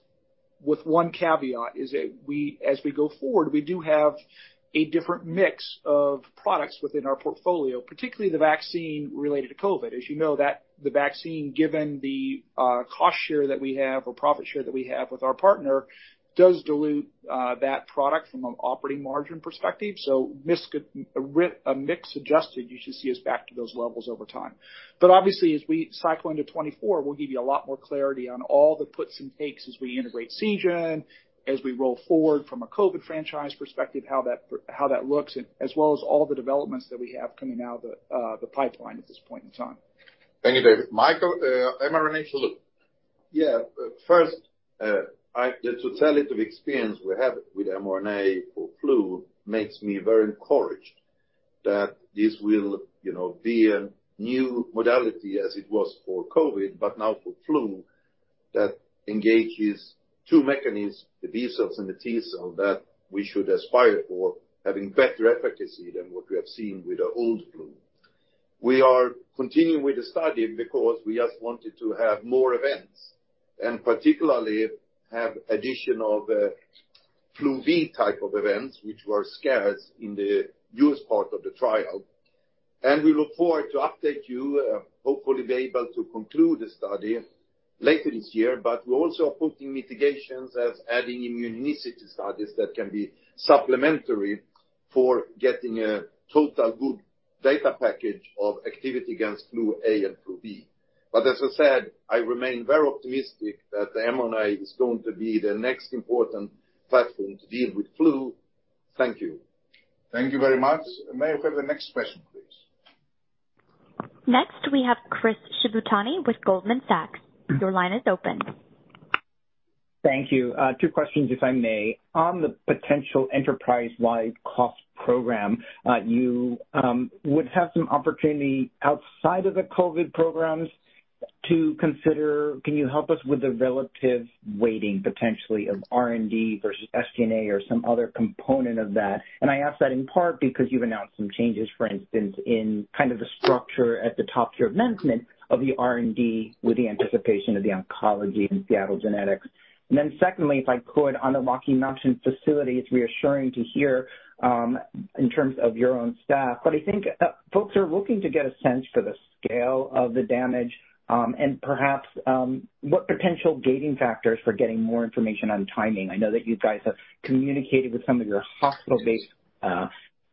With one caveat, is that we, as we go forward, we do have a different mix of products within our portfolio, particularly the vaccine related to COVID. As you know, the vaccine, given the, cost share that we have, or profit share that we have with our partner, does dilute, that product from an operating margin perspective. Could, a mix adjusted, you should see us back to those levels over time. Obviously, as we cycle into 2024, we'll give you a lot more clarity on all the puts and takes as we integrate Seagen, as we roll forward from a COVID franchise perspective, how that, how that looks, and as well as all the developments that we have coming out of the pipeline at this point in time. Thank you, Dave. Mikael, mRNA flu. Yeah. First, the totality of experience we have with mRNA for flu makes me very encouraged that this will, you know, be a new modality, as it was for COVID, now for flu, that engages two mechanisms, the B cells and the T cell, that we should aspire for, having better efficacy than what we have seen with the old flu. We are continuing with the study because we just wanted to have more events, and particularly have additional flu B type of events, which were scarce in the U.S. part of the trial. We look forward to update you, hopefully be able to conclude the study later this year. We also are putting mitigations as adding immunogenicity studies that can be supplementary for getting a total good data package of activity against influenza A and influenza B. As I said, I remain very optimistic that the mRNA is going to be the next important platform to deal with flu. Thank you. Thank you very much. May I have the next question, please? Next, we have Chris Shibutani with Goldman Sachs. Your line is open. Thank you. Two questions, if I may. On the potential enterprise-wide cost program, you would have some opportunity outside of the COVID programs to consider. Can you help us with the relative weighting, potentially, of R&D versus SG&A or some other component of that? I ask that in part because you've announced some changes, for instance, in kind of the structure at the top tier of management of the R&D, with the anticipation of the oncology and Seagen. Secondly, if I could, on the Rocky Mount facility, it's reassuring to hear, in terms of your own staff, but I think folks are looking to get a sense for the scale of the damage, and perhaps what potential gating factors for getting more information on timing. I know that you guys have communicated with some of your hospital-based,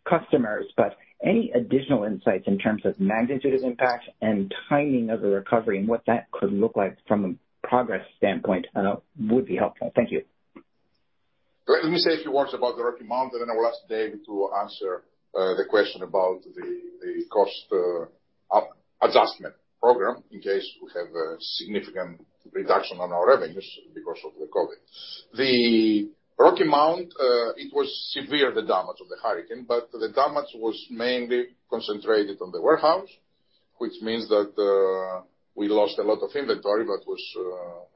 customers, but any additional insights in terms of magnitude of impact and timing of the recovery and what that could look like from a progress standpoint, would be helpful. Thank you. Let me say a few words about the Rocky Mount, and then I will ask Dave to answer the question about the cost adjustment program, in case we have a significant reduction on our revenues because of the COVID. The Rocky Mount, it was severe, the damage of the hurricane, but the damage was mainly concentrated on the warehouse, which means that we lost a lot of inventory that was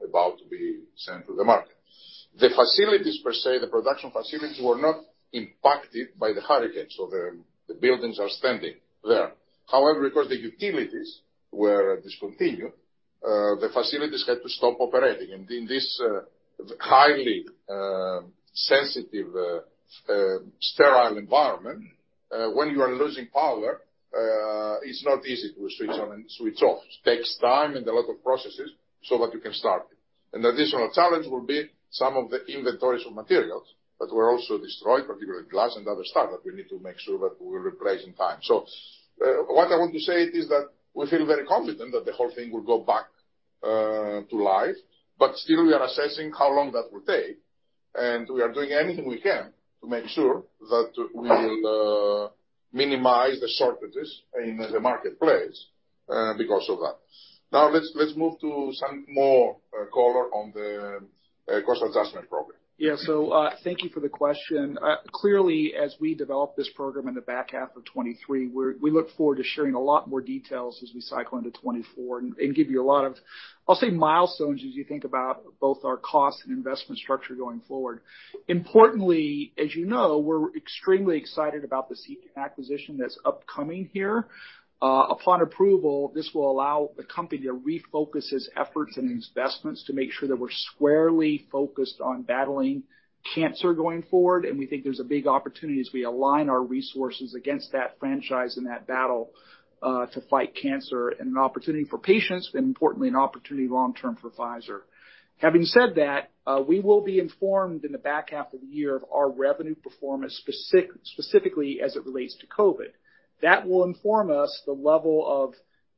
about to be sent to the market. The facilities, per se, the production facilities, were not impacted by the hurricane, so the buildings are standing there. However, because the utilities were discontinued, the facilities had to stop operating. In this highly sensitive sterile environment, when you are losing power, it's not easy to switch on and switch off. It takes time and a lot of processes so that you can start it. An additional challenge will be some of the inventories of materials that were also destroyed, particularly glass and other stuff, that we need to make sure that we will replace in time. What I want to say is that we feel very confident that the whole thing will go back to life, but still we are assessing how long that will take, and we are doing anything we can to make sure that we will minimize the shortages in the marketplace because of that. Let's, let's move to some more color on the cost adjustment program. Yeah. Thank you for the question. Clearly, as we develop this program in the back half of 2023, we look forward to sharing a lot more details as we cycle into 2024 and give you a lot of, I'll say, milestones, as you think about both our cost and investment structure going forward. Importantly, as you know, we're extremely excited about the Seagen acquisition that's upcoming here. Upon approval, this will allow the company to refocus its efforts and investments to make sure that we're squarely focused on battling cancer going forward. We think there's a big opportunity as we align our resources against that franchise and that battle to fight cancer, and an opportunity for patients, and importantly, an opportunity long-term for Pfizer. Having said that, we will be informed in the back half of the year of our revenue performance, specifically as it relates to COVID. That will inform us the level of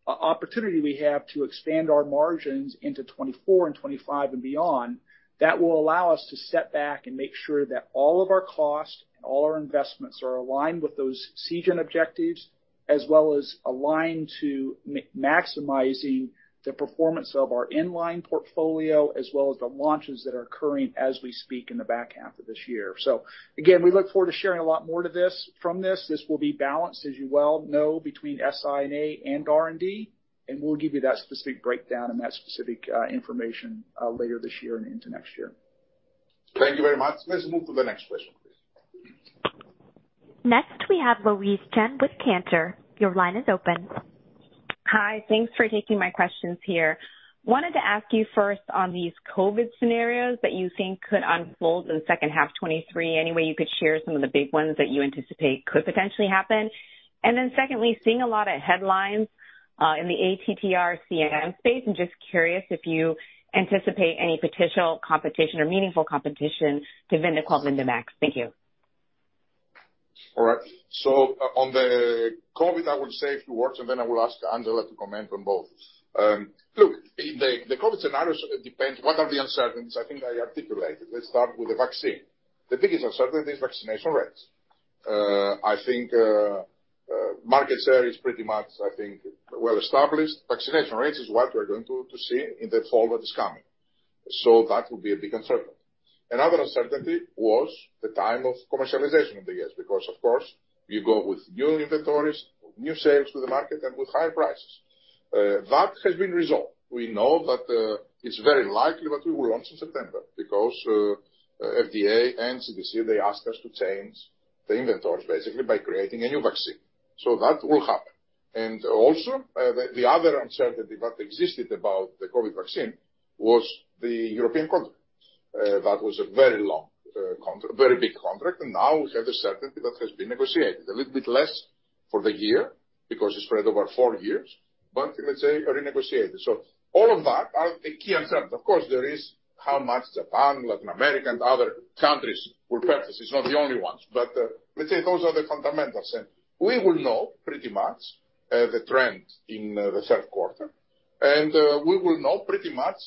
opportunity we have to expand our margins into 2024 and 2025 and beyond. That will allow us to step back and make sure that all of our costs and all our investments are aligned with those Seagen objectives, as well as aligned to maximizing the performance of our in-line portfolio, as well as the launches that are occurring as we speak in the back half of this year. Again, we look forward to sharing a lot more to this, from this. This will be balanced, as you well know, between SI&A and R&D. We'll give you that specific breakdown and that specific information later this year and into next year. Thank you very much. Let's move to the next question. Next, we have Louise Chen with Cantor. Your line is open. Hi, thanks for taking my questions here. Wanted to ask you first on these COVID scenarios that you think could unfold in the second half 2023. Any way you could share some of the big ones that you anticipate could potentially happen? Then secondly, seeing a lot of headlines in the ATTR-CM space, I'm just curious if you anticipate any potential competition or meaningful competition to Vyndaqel, Vyndamax. Thank you. All right. On the COVID, I will say a few words, and then I will ask Angela to comment on both. Look, the COVID scenarios depends. What are the uncertainties? I think I articulated. Let's start with the vaccine. The biggest uncertainty is vaccination rates. I think, market share is pretty much, I think, well established. Vaccination rates is what we're going to see in the fall that is coming, so that will be a big uncertainty. Another uncertainty was the time of commercialization of the years, because, of course, you go with new inventories, new sales to the market, and with higher prices. That has been resolved. We know that, it's very likely that we will launch in September because, FDA and CDC, they asked us to change the inventory, basically by creating a new vaccine. That will happen. Also, the other uncertainty that existed about the COVID vaccine was the European contract. That was a very long, very big contract, and now we have a certainty that has been negotiated. A little bit less for the year, because it's spread over four years, but let's say, renegotiated. All of that are the key uncertainties. Of course, there is how much Japan, Latin America, and other countries will purchase. It's not the only ones, but let's say those are the fundamentals. We will know pretty much the trend in the third quarter, and we will know pretty much,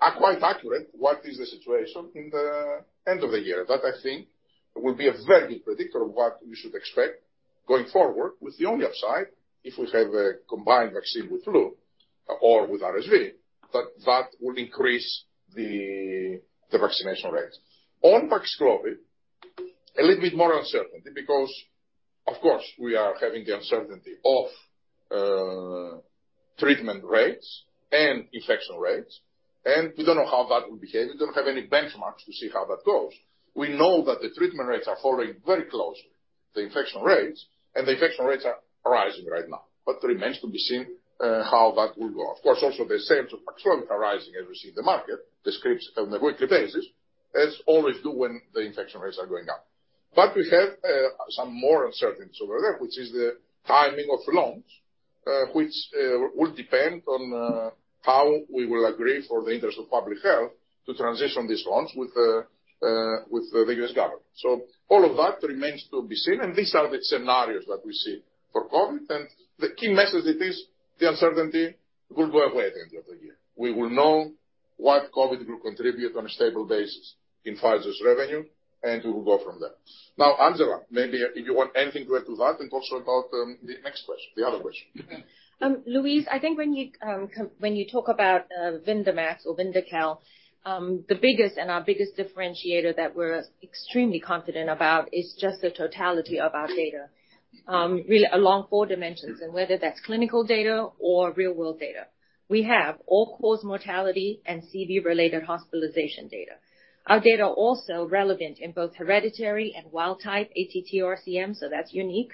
are quite accurate, what is the situation in the end of the year. That, I think, will be a very good predictor of what we should expect going forward, with the only upside, if we have a combined vaccine with flu or with RSV, that, that will increase the, the vaccination rates. On Paxlovid, a little bit more uncertainty, because, of course, we are having the uncertainty of, treatment rates and infection rates, and we don't know how that will behave. We don't have any benchmarks to see how that goes. We know that the treatment rates are following very closely the infection rates, and the infection rates are rising right now, but remains to be seen, how that will go. Of course, also the sales of Paxlovid are rising as we see in the market, the scripts on a weekly basis, as always do when the infection rates are going up. We have some more uncertainties over there, which is the timing of loans, which will depend on how we will agree for the interest of public health to transition these loans with the U.S. government. All of that remains to be seen, and these are the scenarios that we see for COVID. The key message it is, the uncertainty will go away at the end of the year. We will know what COVID will contribute on a stable basis in Pfizer's revenue, and we will go from there. Angela, maybe if you want anything to add to that, and also about the next question, the other question. Louise, I think when you talk about Vyndamax or Vyndaqel, the biggest and our biggest differentiator that we're extremely confident about is just the totality of our data, really along four dimensions, and whether that's clinical data or real-world data. We have all-cause mortality and CV-related hospitalization data. Our data are also relevant in both hereditary and wild type ATTR-CM. That's unique.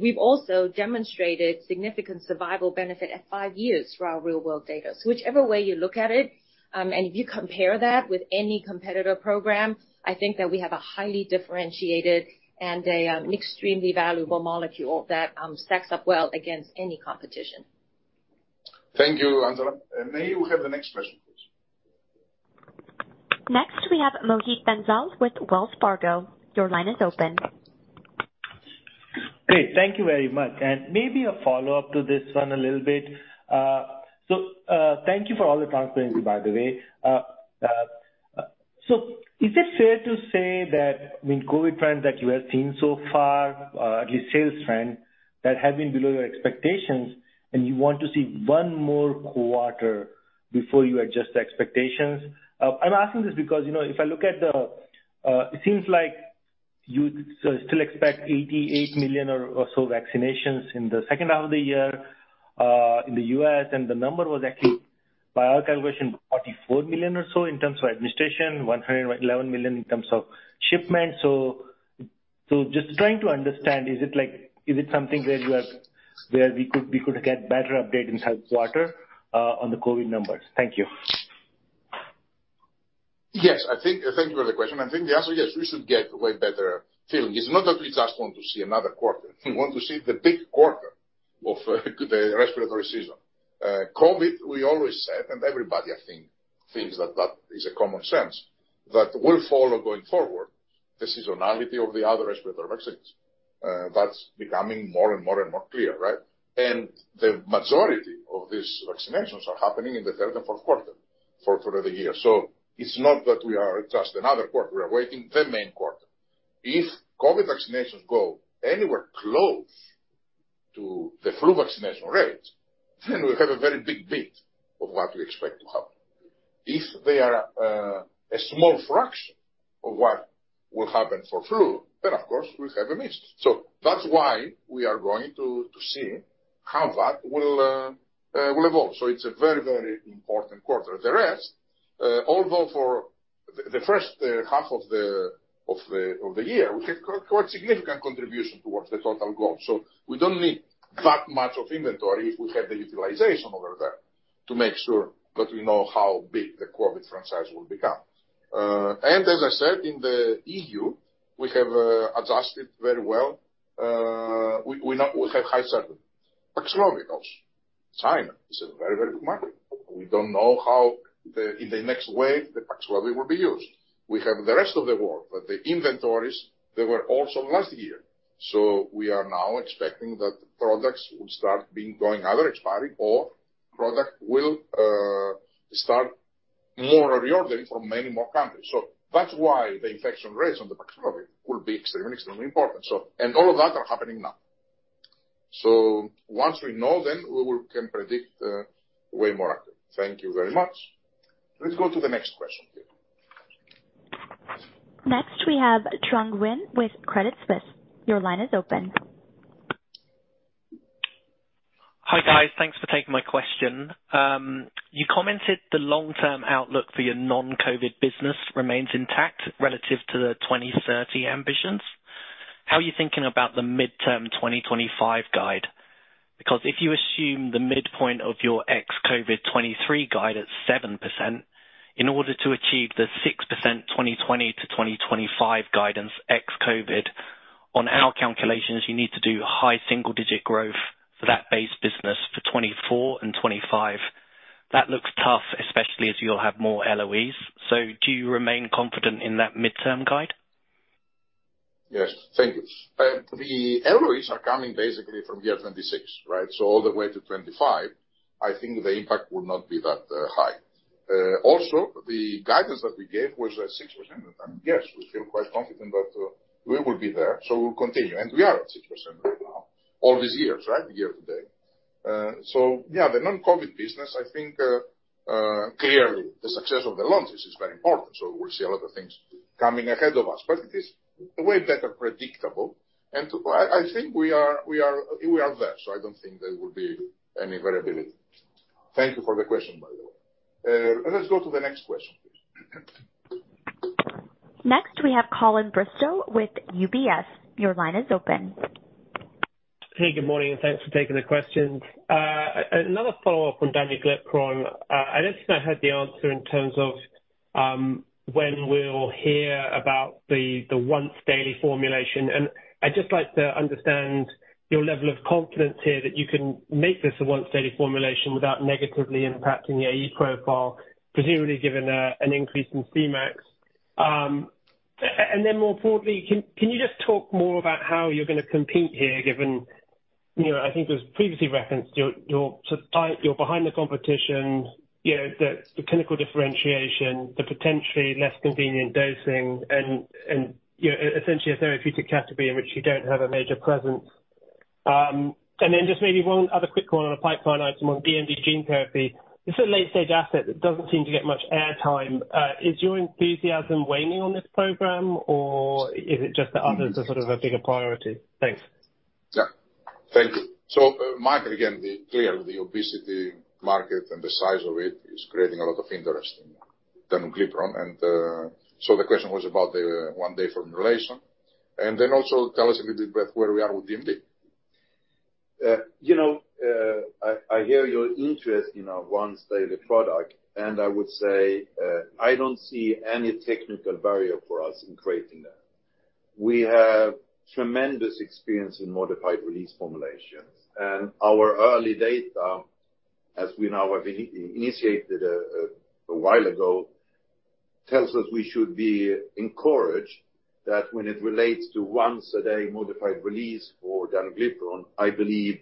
We've also demonstrated significant survival benefit at five years for our real-world data. Whichever way you look at it, and if you compare that with any competitor program, I think that we have a highly differentiated and an extremely valuable molecule that stacks up well against any competition. Thank you, Angela. May we have the next question, please? Next, we have Mohit Bansal with Wells Fargo. Your line is open. Great. Thank you very much. Maybe a follow-up to this one a little bit. Thank you for all the transparency, by the way. Is it fair to say that with COVID trends that you have seen so far, at least sales trend, that have been below your expectations, and you want to see one more quarter before you adjust the expectations? I'm asking this because, you know, if I look at the, it seems like you still expect 88 million or so vaccinations in the second half of the year, in the U.S., and the number was actually, by our calculation, 44 million or so in terms of administration, 111 million in terms of shipment. So just trying to understand, is it like, is it something where you are, where we could, we could get better update in third quarter on the COVID numbers? Thank you. Yes, thank you for the question. I think the answer, yes, we should get way better feeling. It's not that we just want to see another quarter. We want to see the big quarter of the respiratory season. COVID, we always said, and everybody, I think, thinks that that is a common sense, that will follow going forward, the seasonality of the other respiratory vaccines. That's becoming more and more and more clear, right? The majority of these vaccinations are happening in the third and fourth quarter for the year. It's not that we are just another quarter. We're waiting the main quarter. If COVID vaccinations go anywhere close to the flu vaccination rates, then we have a very big bit of what we expect to happen. If they are a small fraction of what will happen for flu, then, of course, we have a miss. That's why we are going to see how that will evolve. It's a very, very important quarter. Although for the first half of the year, we have quite significant contribution towards the total goal. We don't need that much of inventory if we have the utilization over there to make sure that we know how big the COVID franchise will become. As I said, in the EU, we have adjusted very well. We have high certain Paxlovid also. China is a very, very good market. We don't know how in the next wave, the Paxlovid will be used. We have the rest of the world, but the inventories, they were also last year. We are now expecting that the products will start being going, either expiring or product will start more reordering from many more countries. That's why the infection rates on the Paxlovid will be extremely, extremely important. All of that are happening now. Once we know, then we can predict way more accurate. Thank you very much. Let's go to the next question, please. Next, we have Trung Huynh with Credit Suisse. Your line is open. Hi, guys. Thanks for taking my question. You commented the long-term outlook for your non-COVID business remains intact relative to the 2030 ambitions. How are you thinking about the midterm 2025 guide? If you assume the midpoint of your ex-COVID 2023 guide at 7%, in order to achieve the 6% 2020-2025 guidance ex-COVID, on our calculations, you need to do high single-digit growth for that base business for 2024 and 2025. That looks tough, especially as you'll have more LOEs. Do you remain confident in that midterm guide? Yes, thank you. The LOEs are coming basically from year 2026, right? All the way to 2025, I think the impact will not be that high. Also, the guidance that we gave was at 6%. Yes, we feel quite confident that we will be there, so we'll continue. We are at 6% right now, all these years, right? The year today. Yeah, the non-COVID business, I think, clearly, the success of the launches is very important, so we'll see a lot of things coming ahead of us. It is way better predictable, and I, I think we are, we are, we are there, so I don't think there will be any variability. Thank you for the question, by the way. Let's go to the next question, please. Next, we have Colin Bristow with UBS. Your line is open. Hey, good morning, and thanks for taking the questions. Another follow-up on Danuglipron. I don't think I heard the answer in terms of when we'll hear about the once-daily formulation. I'd just like to understand your level of confidence here that you can make this a once-daily formulation without negatively impacting the AE profile, presumably given an increase in Cmax. Then more broadly, can you just talk more about how you're going to compete here, given, you know, I think it was previously referenced, you're behind the competition, you know, the clinical differentiation, the potentially less convenient dosing and, you know, essentially a therapeutic category in which you don't have a major presence. Then just maybe one other quick one on a pipeline item on DMD gene therapy. It's a late-stage asset that doesn't seem to get much airtime. Is your enthusiasm waning on this program, or is it just that others are sort of a bigger priority? Thanks. Yeah. Thank you. Mikael, again, clearly, the obesity market and the size of it is creating a lot of interest in Danuglipron. So the question was about the one-day formulation, and then also tell us a little bit about where we are with DMD. You know, I hear your interest in our once-daily product, and I would say, I don't see any technical barrier for us in creating that. We have tremendous experience in modified release formulations, and our early data, as we now have initiated a while ago, tells us we should be encouraged that when it relates to once-a-day modified release for Danuglipron, I believe,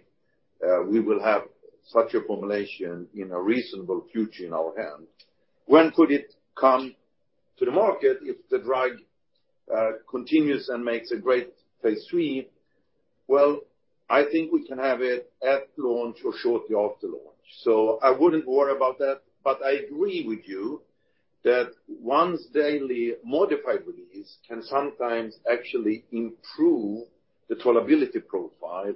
we will have such a formulation in a reasonable future in our hand. When could it come to the market if the drug continues and makes a great phase III? I think we can have it at launch or shortly after launch. I wouldn't worry about that. I agree with you that once-daily modified release can sometimes actually improve the tolerability profile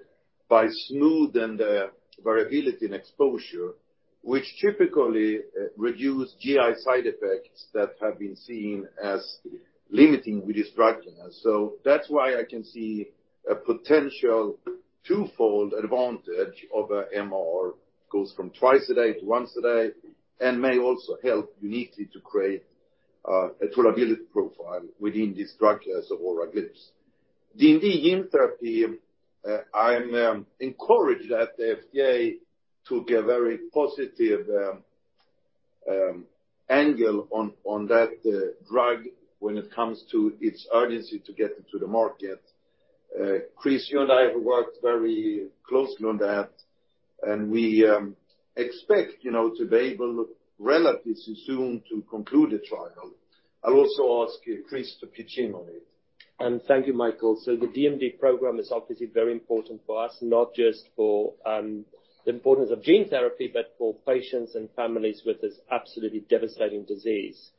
by smoothing the variability and exposure, which typically reduce GI side effects that have been seen as limiting with this drug. That's why I can see a potential twofold advantage of a MR, goes from twice a day to once a day, and may also help uniquely to create a tolerability profile within this drug as oral GLP-1s. DMD gene therapy, I'm encouraged that the FDA took a very positive angle on that drug when it comes to its urgency to get it to the market. Chris, you and I have worked very closely on that, and we expect, you know, to be able relatively soon to conclude the trial. I'll also ask Chris to pitch in on it. Thank you, Mikael. The DMD program is obviously very important for us, not just for the importance of gene therapy, but for patients and families with this absolutely devastating disease.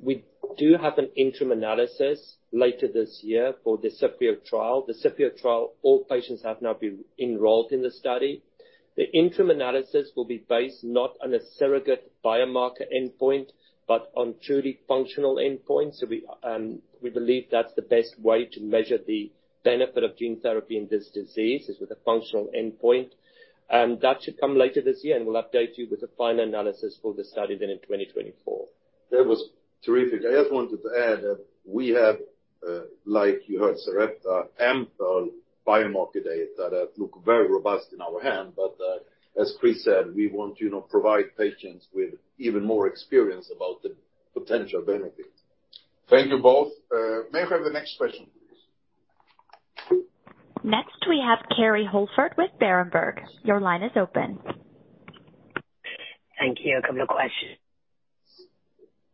We do have an interim analysis later this year for the CIFFREO trial. The CIFFREO trial, all patients have now been enrolled in the study. The interim analysis will be based not on a surrogate biomarker endpoint, but on truly functional endpoints. We, we believe that's the best way to measure the benefit of gene therapy in this disease, is with a functional endpoint. That should come later this year, and we'll update you with a final analysis for the study then in 2024. That was terrific. I just wanted to add that we have, like you heard, Sarepta, ample biomarker data that look very robust in our hand, but, as Chris said, we want to, you know, provide patients with even more experience about the potential benefits. Thank you both. May I have the next question, please? Next, we have Kerry Holford with Berenberg. Your line is open. Thank you. A couple of questions.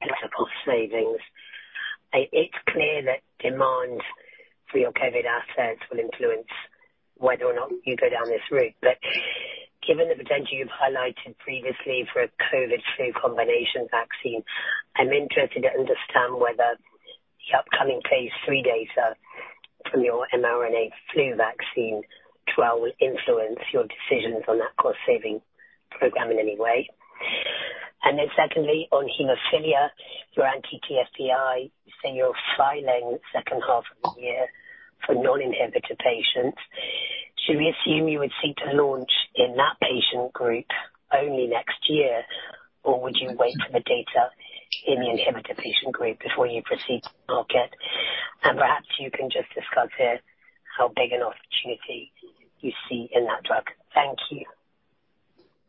Cost savings. It's clear that demand for your COVID assets will influence whether or not you go down this route. Given the potential you've highlighted previously for a COVID flu combination vaccine, I'm interested to understand whether the upcoming phase III data from your mRNA flu vaccine trial will influence your decisions on that cost-saving program in any way. Secondly, on hemophilia, your anti-TFPI, you say you're filing second half of the year for non-inhibitor patients. Should we assume you would seek to launch in that patient group only next year, or would you wait for the data in the inhibitor patient group before you proceed to market? Perhaps you can just discuss here how big an opportunity you see in that drug. Thank you.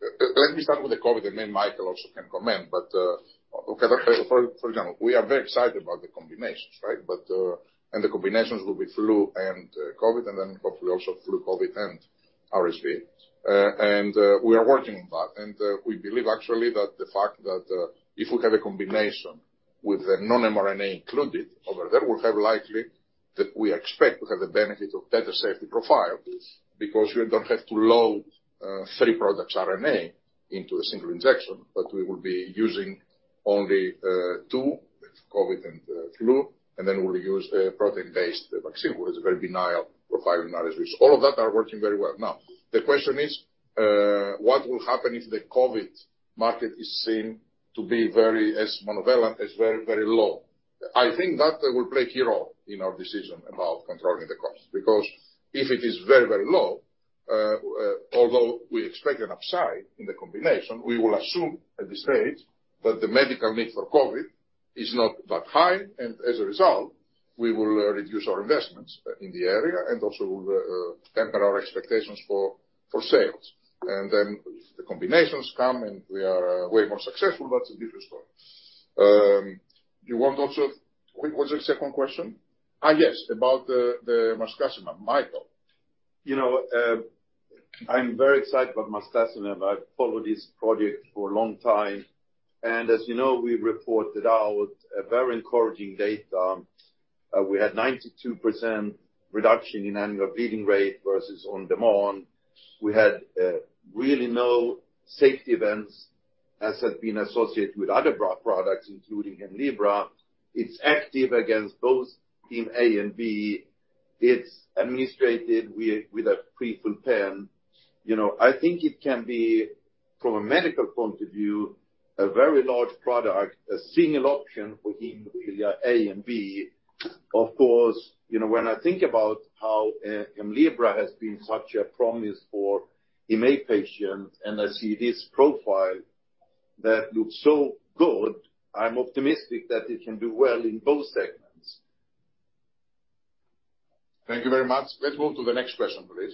Let me start with the COVID, and then Mikael also can comment. Okay, so for example, we are very excited about the combinations, right? The combinations will be flu and COVID, and then hopefully also flu, COVID, and RSV. We are working on that. We believe actually that the fact that if we have a combination with the non-mRNA included over there, we'll have likely that we expect to have the benefit of better safety profile, because you don't have to load three products' RNA into a single injection, but we will be using only two, with COVID and flu, and then we'll use a protein-based vaccine, which is a very benign profile in RSV. All of that are working very well. Now, the question is, what will happen if the COVID market is seen to be very, as monovalent, as very, very low? I think that will play a key role in our decision about controlling the cost, because if it is very, very low, although we expect an upside in the combination, we will assume at this stage that the medical need for COVID is not that high, as a result, we will reduce our investments in the area and also temper our expectations for, for sales. Then if the combinations come and we are way more successful, that's a different story. You want also. What, what's your second question? Ah, yes, about the, the marstacimab. Mikael? You know, I'm very excited about marstacimab. I've followed this project for a long time, and as you know, we reported out a very encouraging data. We had 92% reduction in annualized bleeding rate versus on-demand. We had really no safety events, as had been associated with other products, including Hemlibra. It's active against both hemophilia A and B. It's administrated with a prefill pen. You know, I think it can be, from a medical point of view, a very large product, a single option for hemophilia A and B. Of course, you know, when I think about how Hemlibra has been such a promise for hemophilia A patients, and I see this profile that looks so good, I'm optimistic that it can do well in both segments. Thank you very much. Let's move to the next question, please.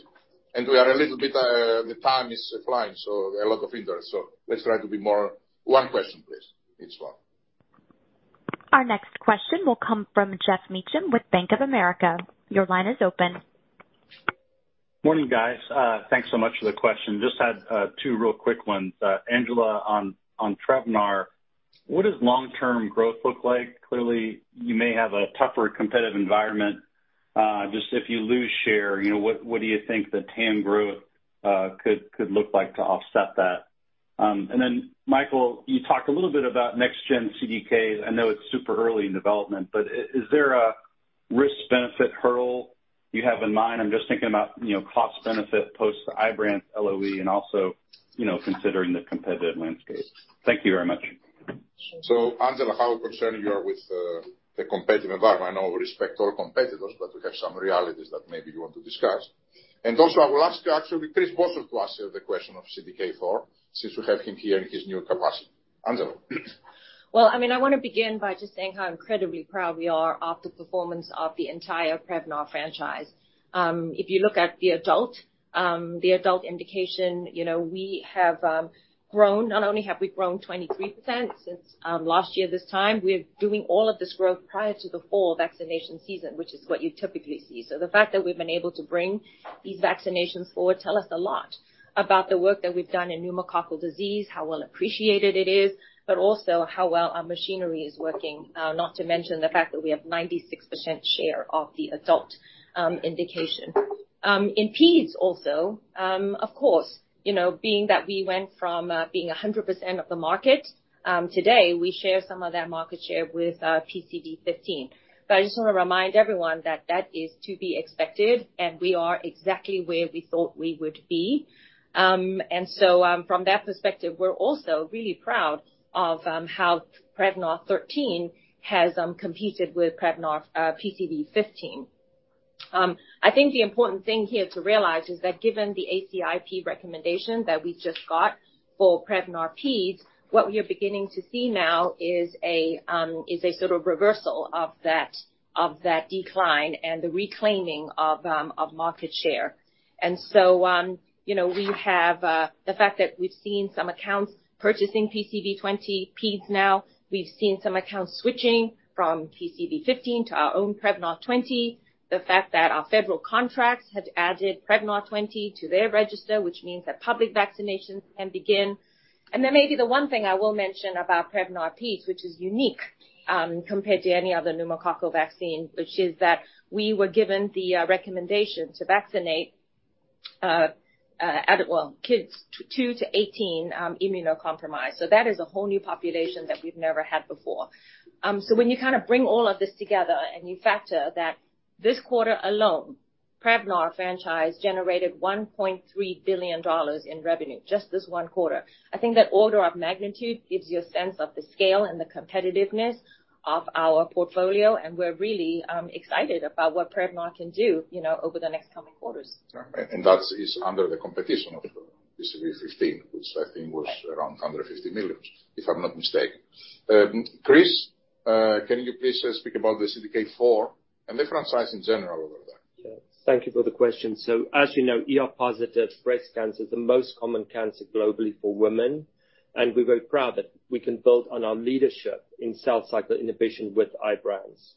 We are a little bit, the time is flying, so a lot of interest. Let's try to be more. One question, please, each one. Our next question will come from Geoff Meacham with Bank of America. Your line is open. Morning, guys. Thanks so much for the question. Just had two real quick ones. Angela, on Prevnar, what does long-term growth look like? Clearly, you may have a tougher competitive environment, just if you lose share, you know, what, what do you think the TAM growth could look like to offset that? Then, Mikael, you talked a little bit about next gen CDK. I know it's super early in development, but is there a risk-benefit hurdle you have in mind? I'm just thinking about, you know, cost benefit post Ibrance, LOE, and also, you know, considering the competitive landscape. Thank you very much. Angela, how concerned you are with the competitive environment? I know we respect all competitors, but we have some realities that maybe you want to discuss. I will ask you, actually, Chris, also to answer the question of CDK4, since we have him here in his new capacity. Angela? Well, I mean, I want to begin by just saying how incredibly proud we are of the performance of the entire Prevnar franchise. If you look at the adult, the adult indication, you know, we have grown, not only have we grown 23% since last year this time, we're doing all of this growth prior to the fall vaccination season, which is what you typically see. The fact that we've been able to bring these vaccinations forward tell us a lot about the work that we've done in pneumococcal disease, how well appreciated it is, but also how well our machinery is working, not to mention the fact that we have 96% share of the adult, indication. In Peds also, of course, you know, being that we went from being a 100% of the market, today, we share some of that market share with PCV15. I just want to remind everyone that that is to be expected, and we are exactly where we thought we would be. From that perspective, we're also really proud of how Prevnar 13 has competed with Prevnar PCV15. I think the important thing here to realize is that given the ACIP recommendation that we just got for Prevnar Peds, what we are beginning to see now is a sort of reversal of that, of that decline and the reclaiming of market share. You know, we have the fact that we've seen some accounts purchasing PCV20 Peds now, we've seen some accounts switching from PCV15 to our own Prevnar 20. The fact that our federal contracts have added Prevnar 20 to their register, which means that public vaccinations can begin. Maybe the one thing I will mention about Prevnar Peds, which is unique, compared to any other pneumococcal vaccine, which is that we were given the recommendation to vaccinate, well, kids two to 18, immunocompromised. That is a whole new population that we've never had before. When you kind of bring all of this together and you factor that this quarter alone, Prevnar franchise generated $1.3 billion in revenue, just this one quarter. I think that order of magnitude gives you a sense of the scale and the competitiveness of our portfolio, and we're really, excited about what Prevnar can do, you know, over the next coming quarters. That is under the competition of PCV15, which I think was around under $50 million, if I'm not mistaken. Chris, can you please speak about the CDK4 and the franchise in general over there? As you know, ER-positive breast cancer is the most common cancer globally for women, and we're very proud that we can build on our leadership in cell cycle inhibition with Ibrance.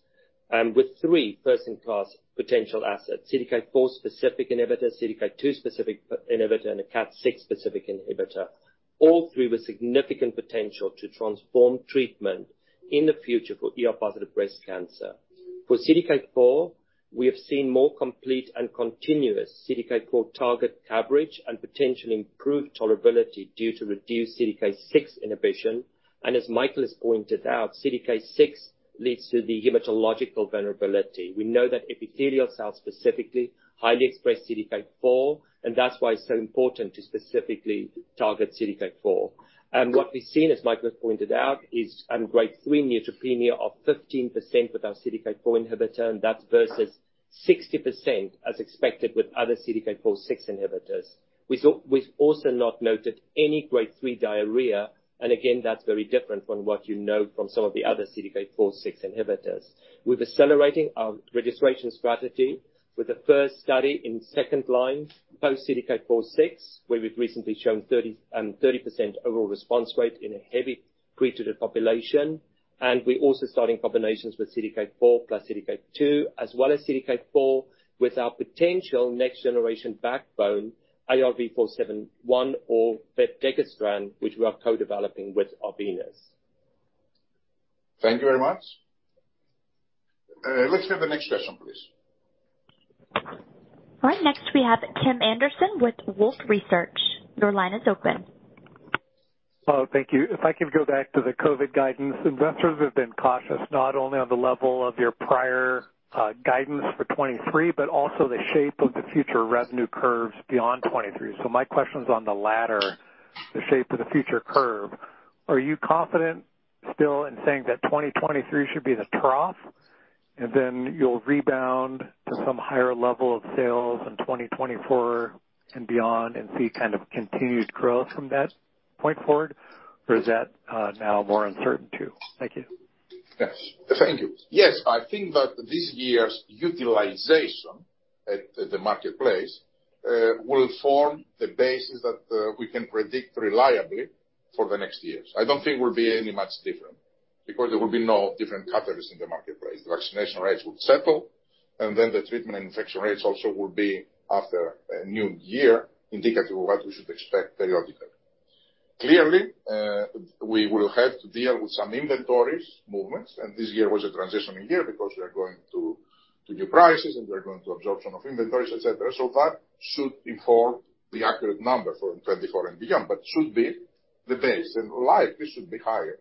With three first-in-class potential assets, CDK4 specific inhibitor, CDK2 specific inhibitor, and a KAT6 specific inhibitor, all three with significant potential to transform treatment in the future for ER-positive breast cancer. For CDK4, we have seen more complete and continuous CDK4 target coverage and potentially improved tolerability due to reduced CDK6 inhibition. As Mikael has pointed out, CDK6 leads to the hematological vulnerability. We know that epithelial cells, specifically, highly express CDK4, and that's why it's so important to specifically target CDK4. What we've seen, as Mikael has pointed out, is an grade three neutropenia of 15% with our CDK4 inhibitor, and that's versus 60% as expected with other CDK4/6 inhibitors. We've also not noted any grade three diarrhea, and again, that's very different from what you know from some of the other CDK4/6 inhibitors. We're accelerating our registration strategy with the first study in second line post CDK4/6, where we've recently shown 30% overall response rate in a heavy treated population. We're also starting combinations with CDK4 plus CDK2, as well as CDK4 with our potential next generation backbone, ARV-471 or vepdegestrant, which we are co-developing with Arvinas. Thank you very much. Let's have the next question, please. All right. Next, we have Tim Anderson with Wolfe Research. Your line is open. Oh, thank you. If I could go back to the COVID guidance, investors have been cautious, not only on the level of your prior guidance for 2023, but also the shape of the future revenue curves beyond 2023. My question is on the latter, the shape of the future curve. Are you confident still in saying that 2023 should be the trough, and then you'll rebound to some higher level of sales in 2024 and beyond, and see kind of continued growth from that point forward? Is that now more uncertain, too? Thank you. Yes. Thank you. Yes, I think that this year's utilization at, at the marketplace will form the basis that we can predict reliably for the next years. I don't think we'll be any much different because there will be no different catalysts in the marketplace. Vaccination rates will settle, and then the treatment infection rates also will be, after a new year, indicative of what we should expect periodically. Clearly, we will have to deal with some inventories movements, and this year was a transitioning year because we are going to, to new prices, and we are going to absorption of inventories, et cetera. That should inform the accurate number for in 2024 and beyond, but should be the base. In life, this should be higher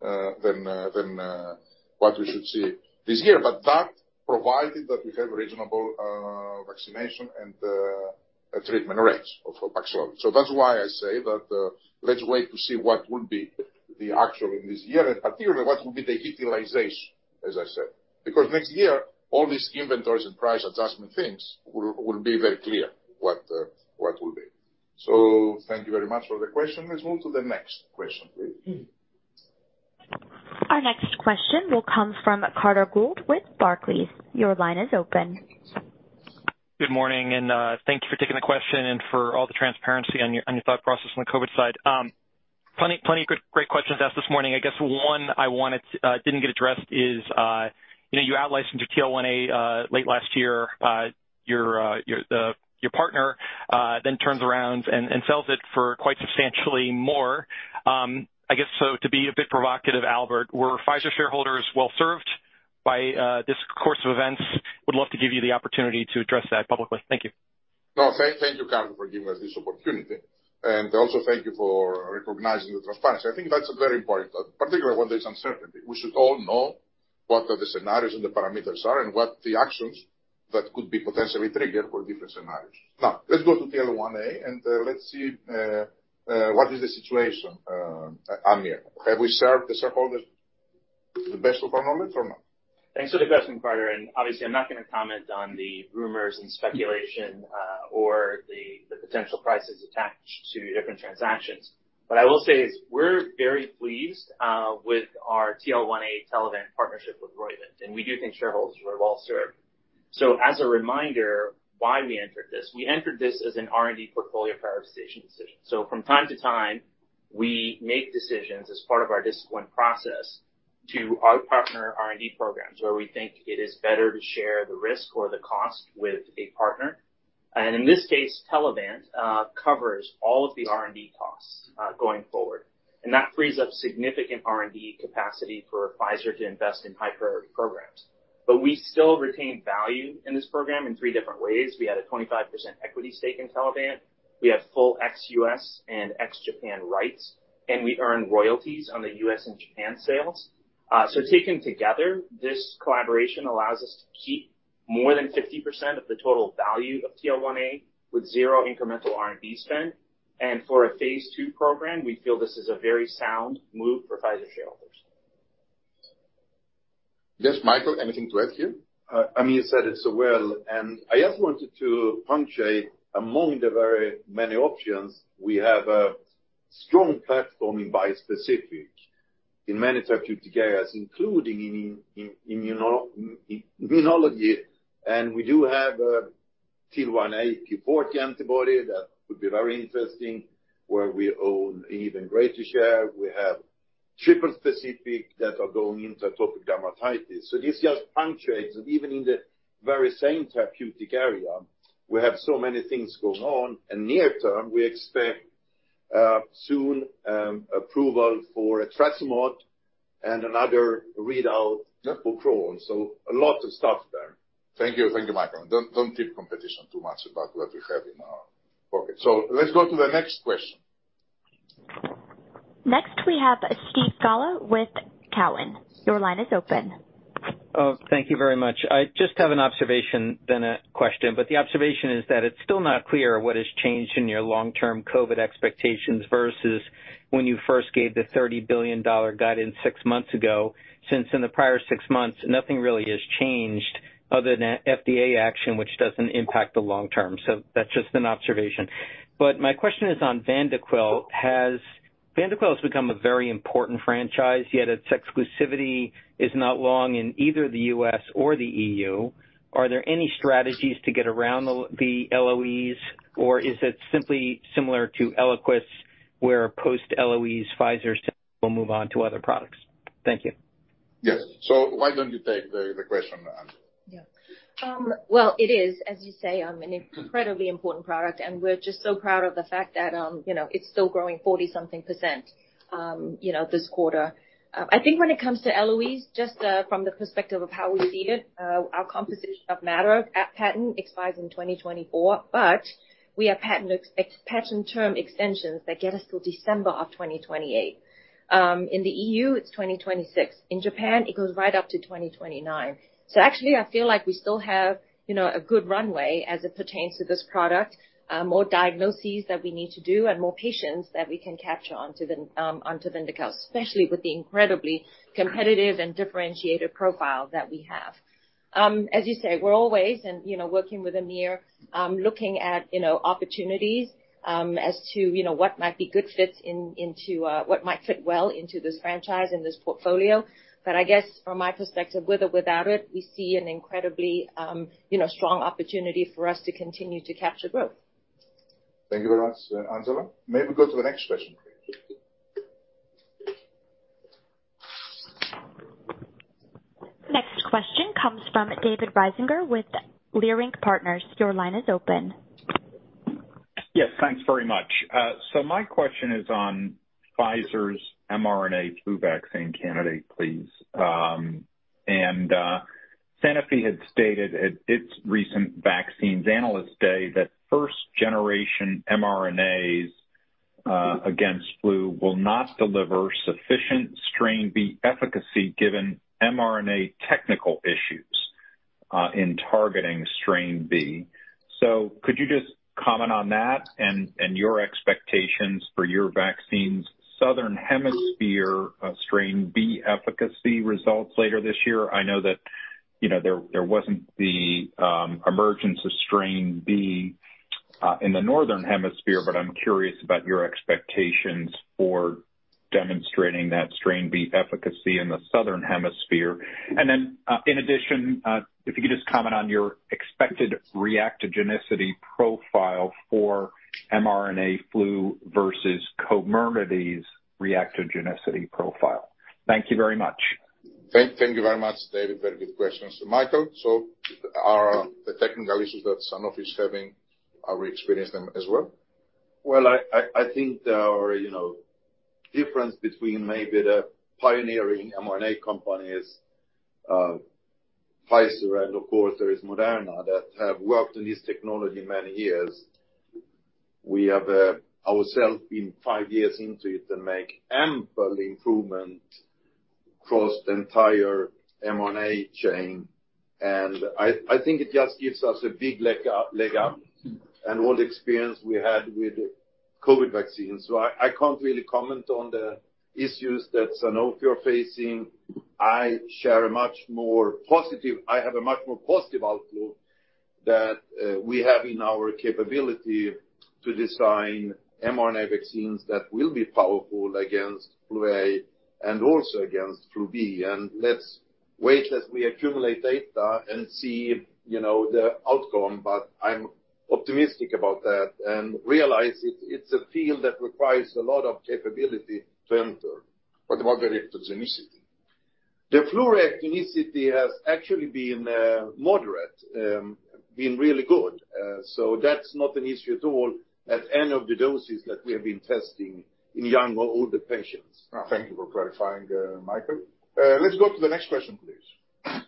than than what we should see this year. That provided that we have reasonable vaccination and treatment rates of Paxlovid. That's why I say that, let's wait to see what will be the actual in this year, and particularly, what will be the utilization, as I said, because next year, all these inventories and price adjustment things will, will be very clear what will be. Thank you very much for the question. Let's move to the next question, please. Our next question will come from Carter Gould with Barclays. Your line is open. Good morning, thank you for taking the question and for all the transparency on your, on your thought process on the COVID side. Plenty, plenty of good, great questions asked this morning. I guess one I wanted, didn't get addressed is, you know, you out licensed your TL1A, late last year. Your, your, your partner, then turns around and, and sells it for quite substantially more. I guess to be a bit provocative, Albert, were Pfizer shareholders well served by, this course of events? Would love to give you the opportunity to address that publicly. Thank you. No, thank, thank you, Carter, for giving us this opportunity. Also thank you for recognizing the transparency. I think that's very important, particularly when there's uncertainty. We should all know what are the scenarios and the parameters are, and what the actions that could be potentially triggered for different scenarios. Now, let's go to TL1A, let's see what is the situation, Aamir. Have we served the shareholders the best of our moment or not? Thanks for the question, Carter, and obviously, I'm not going to comment on the rumors and speculation, or the potential prices attached to different transactions. What I will say is we're very pleased with our TL1A Telavant partnership with Roivant, and we do think shareholders are well served. As a reminder, why we entered this, we entered this as an R&D portfolio prioritization decision. From time to time, we make decisions as part of our discipline process to outpartner R&D programs where we think it is better to share the risk or the cost with a partner. In this case, Telavant covers all of the R&D costs going forward, and that frees up significant R&D capacity for Pfizer to invest in high priority programs. We still retain value in this program in three different ways. We had a 25% equity stake in Telavant. We have full ex-U.S. and ex-Japan rights, and we earn royalties on the U.S. and Japan sales. Taken together, this collaboration allows us to keep more than 50% of the total value of TL1A with zero incremental R&D spend. For a phase II program, we feel this is a very sound move for Pfizer shareholders. Yes, Mikael, anything to add here? I mean, you said it so well, and I just wanted to punctuate among the very many options, we have a strong platform in bispecific in many therapeutic areas, including in immunology, and we do have a TL1A p40 antibody. That would be very interesting, where we own an even greater share. We have triple specific that are going into atopic dermatitis. This just punctuates that even in the very same therapeutic area, we have so many things going on, and near term, we expect soon approval for etrasimod and another readout for Crohn's. A lot of stuff there. Thank you. Thank you, Mikael. Don't, don't give competition too much about what we have in our pocket. Let's go to the next question. Next, we have Steven Scala with Cowen. Your line is open. Oh, thank you very much. I just have an observation, then a question. The observation is that it's still not clear what has changed in your long-term COVID expectations versus when you first gave the $30 billion guidance six months ago, since in the prior six months, nothing really has changed other than an FDA action, which doesn't impact the long term. That's just an observation. My question is on Vyndaqel. Vyndaqel has become a very important franchise, yet its exclusivity is not long in either the U.S. or the EU. Are there any strategies to get around the LOEs, or is it simply similar to Eliquis, where post-LOEs Pfizer will move on to other products? Thank you. Yes. Why don't you take the, the question, Angela? Yeah. Well, it is, as you say, an incredibly important product, and we're just so proud of the fact that, you know, it's still growing 40 something percent, you know, this quarter. I think when it comes to LOEs, just from the perspective of how we see it, our composition of matter at patent expires in 2024, but we have patent ex-patent term extensions that get us till December of 2028. In the EU, it's 2026. In Japan, it goes right up to 2029. Actually, I feel like we still have, you know, a good runway as it pertains to this product, more diagnoses that we need to do and more patients that we can capture onto the, onto Vyndaqel, especially with the incredibly competitive and differentiated profile that we have. As you say, we're always and, you know, working with Amir, looking at, you know, opportunities, as to, you know, what might be good fits in, into, what might fit well into this franchise and this portfolio. I guess from my perspective, with or without it, we see an incredibly, you know, strong opportunity for us to continue to capture growth. Thank you very much, Angela. May we go to the next question, please? Next question comes from David Risinger with Leerink Partners. Your line is open. Yes, thanks very much. My question is on Pfizer's mRNA flu vaccine candidate, please. Sanofi had stated at its recent Vaccines Analyst Day that first generation mRNAs against flu will not deliver sufficient strain B efficacy, given mRNA technical issues in targeting strain B. Could you just comment on that and your expectations for your vaccine's Southern Hemisphere strain B efficacy results later this year? I know that, you know, there, there wasn't the emergence of strain B in the Northern Hemisphere, but I'm curious about your expectations for demonstrating that strain B efficacy in the Southern Hemisphere. In addition, if you could just comment on your expected reactogenicity profile for mRNA flu versus Comirnaty's reactogenicity profile. Thank you very much. Thank you very much, David. Very good questions. Mikael, are the technical issues that Sanofi is having, are we experiencing them as well? Well, I think there are, you know, difference between maybe the pioneering mRNA companies, Pfizer and of course, there is Moderna, that have worked in this technology many years. We have ourselves been five years into it and make ample improvement across the entire mRNA chain. I, I think it just gives us a big leg up, leg up, and all the experience we had with the COVID vaccine. I, I can't really comment on the issues that Sanofi are facing. I share a much more positive, I have a much more positive outlook that we have in our capability to design mRNA vaccines that will be powerful against flu A and also against flu B. Let's wait as we accumulate data and see, you know, the outcome. I'm optimistic about that and realize it's, it's a field that requires a lot of capability to enter. What about the reactogenicity? The flu reactogenicity has actually been, moderate, been really good. That's not an issue at all, at any of the doses that we have been testing in young or older patients. Thank you for clarifying, Mikael. Let's go to the next question, please.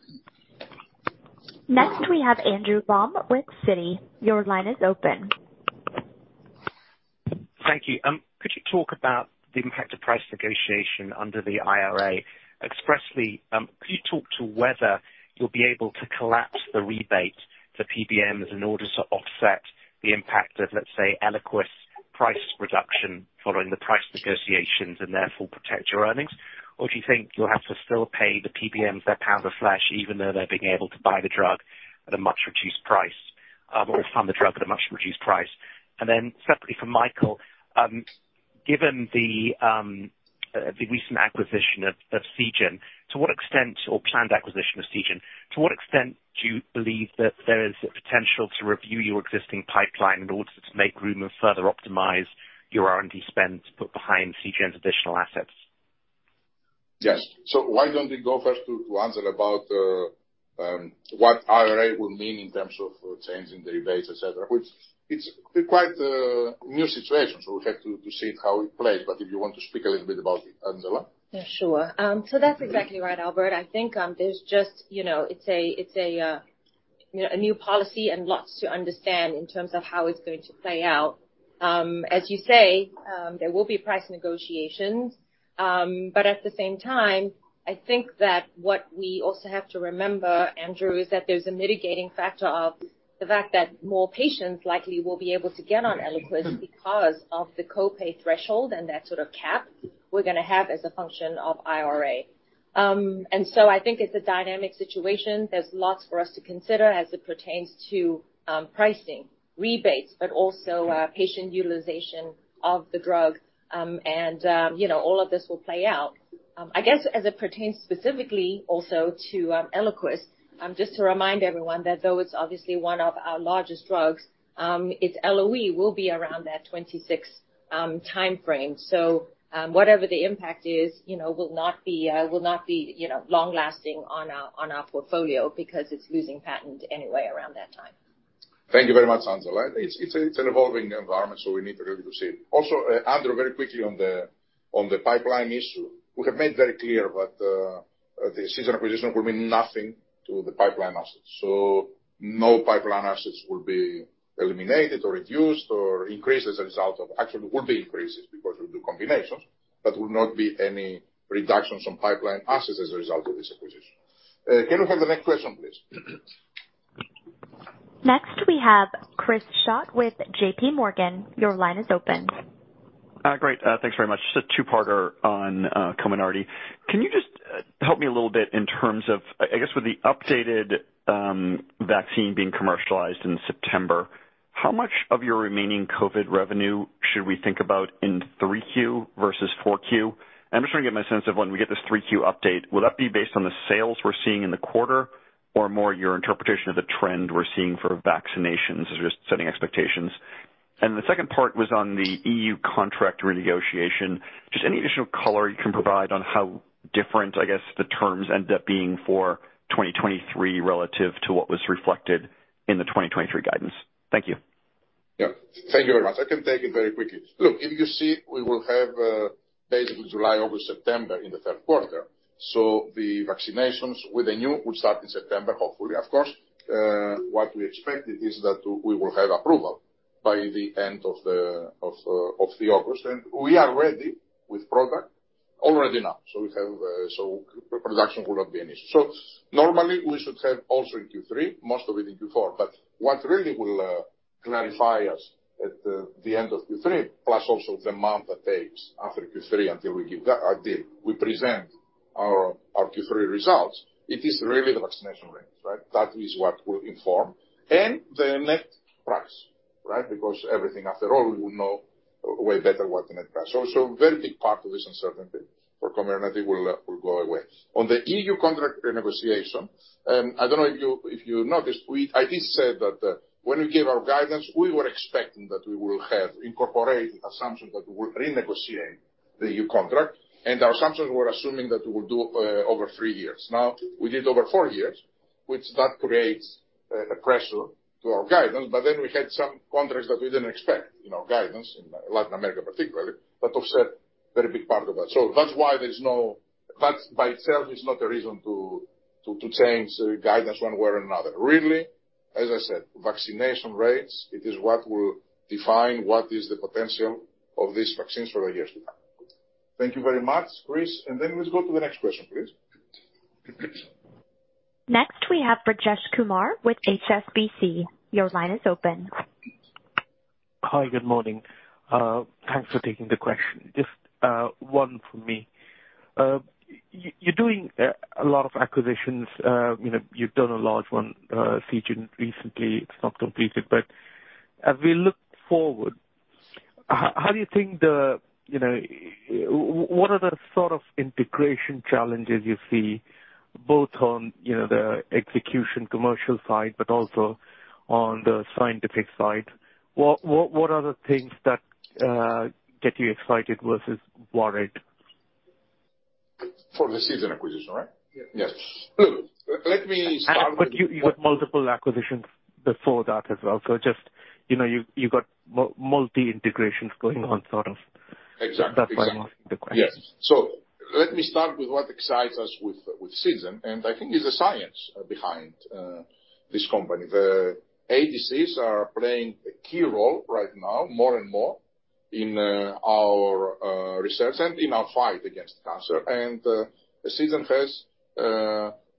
Next, we have Andrew Baum with Citi. Your line is open. Thank you. Could you talk about the impact of price negotiation under the IRA? Expressly, could you talk to whether you'll be able to collapse the rebate to PBMs in order to offset the impact of, let's say, Eliquis price reduction following the price negotiations and therefore protect your earnings? Do you think you'll have to still pay the PBMs their pound of flesh, even though they're being able to buy the drug at a much reduced price, or fund the drug at a much reduced price? Separately for Mikael, given the recent acquisition of Seagen, to what extent or planned acquisition of Seagen, to what extent do you believe that there is a potential to review your existing pipeline in order to make room and further optimize your R&D spend to put behind Seagen's additional assets? Yes. Why don't we go first to, to answer about, what IRA will mean in terms of changing the rebates, et cetera, which it's quite a new situation, so we'll have to, to see how it plays. If you want to speak a little bit about it, Angela? Yeah, sure. So that's exactly right, Albert. I think there's just, you know, it's a, it's a new policy and lots to understand in terms of how it's going to play out. As you say, there will be price negotiations, but at the same time, I think that what we also have to remember, Andrew, is that there's a mitigating factor of the fact that more patients likely will be able to get on Eliquis because of the co-pay threshold and that sort of cap we're gonna have as a function of IRA. And I think it's a dynamic situation. There's lots for us to consider as it pertains to pricing, rebates, but also patient utilization of the drug. And, you know, all of this will play out. I guess, as it pertains specifically also to Eliquis, just to remind everyone that though it's obviously one of our largest drugs, its LOE will be around that 2026 timeframe. Whatever the impact is, you know, will not be, will not be, you know, long-lasting on our, on our portfolio because it's losing patent anyway around that time. Thank you very much, Angela. It's, it's an evolving environment, so we need really to see. Also, Andrew, very quickly on the, on the pipeline issue, we have made very clear that, the Seagen acquisition will mean nothing to the pipeline assets. No pipeline assets will be eliminated, or reduced, or increased as a result of. Actually, will be increases because we'll do combinations, but will not be any reductions on pipeline assets as a result of this acquisition. Can we have the next question, please? Next, we have Chris Schott with JPMorgan. Your line is open. Great. Thanks very much. Just a two-parter on Comirnaty. Can you just help me a little bit in terms of, I guess with the updated vaccine being commercialized in September, how much of your remaining COVID revenue should we think about in 3Q versus 4Q? I'm just trying to get my sense of when we get this 3Q update, will that be based on the sales we're seeing in the quarter or more your interpretation of the trend we're seeing for vaccinations as we're just setting expectations? The second part was on the EU contract renegotiation. Just any additional color you can provide on how different, I guess, the terms end up being for 2023 relative to what was reflected in the 2023 guidance? Thank you. Yeah. Thank you very much. I can take it very quickly. Look, if you see, we will have basically July, August, September in the third quarter. The vaccinations with the new will start in September, hopefully, of course. What we expected is that we will have approval by the end of August. We are ready with product already now. We have production will not be an issue. Normally we should have also in Q3, most of it in Q4, but what really will clarify us at the end of Q3, plus also the month that takes after Q3, until we give our deal, we present our Q3 results, it is really the vaccination rates, right? That is what will inform and the net price, right? Everything after all, we know way better what the net price. A very big part of this uncertainty for Comirnaty will go away. The EU contract renegotiation, I don't know if you, if you noticed, I did say that when we gave our guidance, we were expecting that we will have incorporated assumptions that we will renegotiate the EU contract, and our assumptions were assuming that we will do over three years. We did over four years, which that creates a pressure to our guidance, but then we had some countries that we didn't expect, you know, guidance in Latin America particularly, that offset very big part of that. That's why there's no that by itself is not a reason to, to, to change the guidance one way or another. Really, as I said, vaccination rates, it is what will define what is the potential of these vaccines for years to come. Thank you very much, Chris. Then let's go to the next question, please. Next, we have Rajesh Kumar with HSBC. Your line is open. Hi, good morning. Thanks for taking the question. Just one from me. You're doing a lot of acquisitions. You know, you've done a large one, Seagen recently. It's not completed, but as we look forward, how do you think the, you know, what are the sort of integration challenges you see, both on, you know, the execution commercial side, but also on the scientific side? What, what, what are the things that get you excited versus worried? For the Seagen acquisition, right? Yes. Yes. Look, let me start. You got multiple acquisitions before that as well. Just, you know, you got multi integrations going on, sort of. Exactly. That's why I'm asking the question. Yes. Let me start with what excites us with, with Seagen, and I think it's the science behind this company. The ADCs are playing a key role right now, more and more, in our research and in our fight against cancer. Seagen has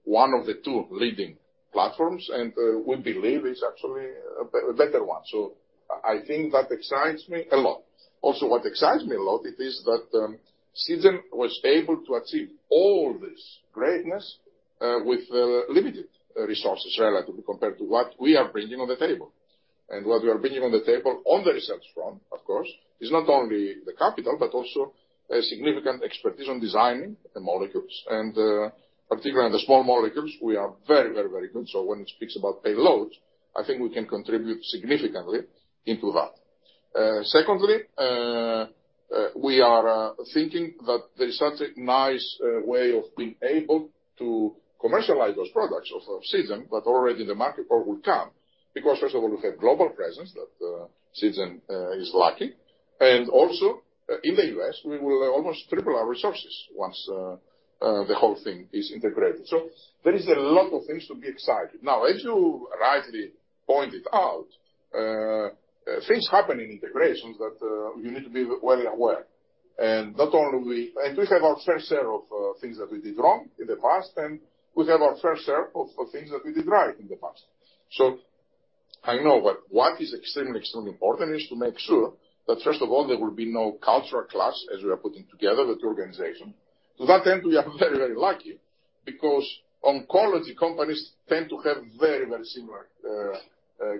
one of the two leading platforms, and we believe it's actually a better one. I think that excites me a lot. Also, what excites me a lot, it is that Seagen was able to achieve all this greatness with limited resources, relatively, compared to what we are bringing on the table. What we are bringing on the table, on the research front, of course, is not only the capital, but also a significant expertise on designing the molecules. Particularly in the small molecules, we are very, very, very good. When it speaks about payloads, I think we can contribute significantly into that. Secondly, we are thinking that there is such a nice way of being able to commercialize those products of Seagen, but already in the market or will come. First of all, we have global presence that Seagen is lacking. Also, in the U.S., we will almost triple our resources once the whole thing is integrated. There is a lot of things to be excited. Now, as you rightly pointed out, things happen in integrations that you need to be well aware. We have our fair share of things that we did wrong in the past, and we have our fair share of things that we did right in the past. I know, but what is extremely, extremely important is to make sure that first of all, there will be no cultural clash as we are putting together the two organization. That end, we are very, very lucky, because oncology companies tend to have very, very similar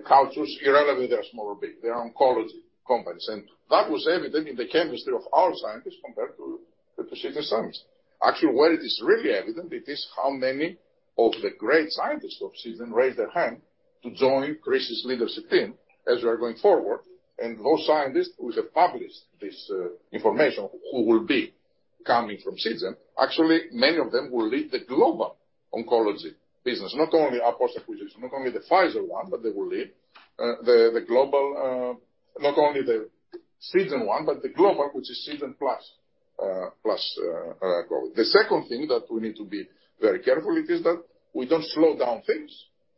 cultures, irrelevant if they are small or big. They are oncology companies, and that was evident in the chemistry of our scientists compared to the Seagen scientists. Actually, where it is really evident, it is how many of the great scientists of Seagen raised their hand to join Chris' leadership team as we are going forward. Those scientists who have published this, information, who will be coming from Seagen, actually, many of them will lead the global oncology business, not only our post-acquisition, not only the Pfizer one, but they will lead the global, not only the Seagen one, but the global, which is Seagen plus goal. The second thing that we need to be very careful, it is that we don't slow down things,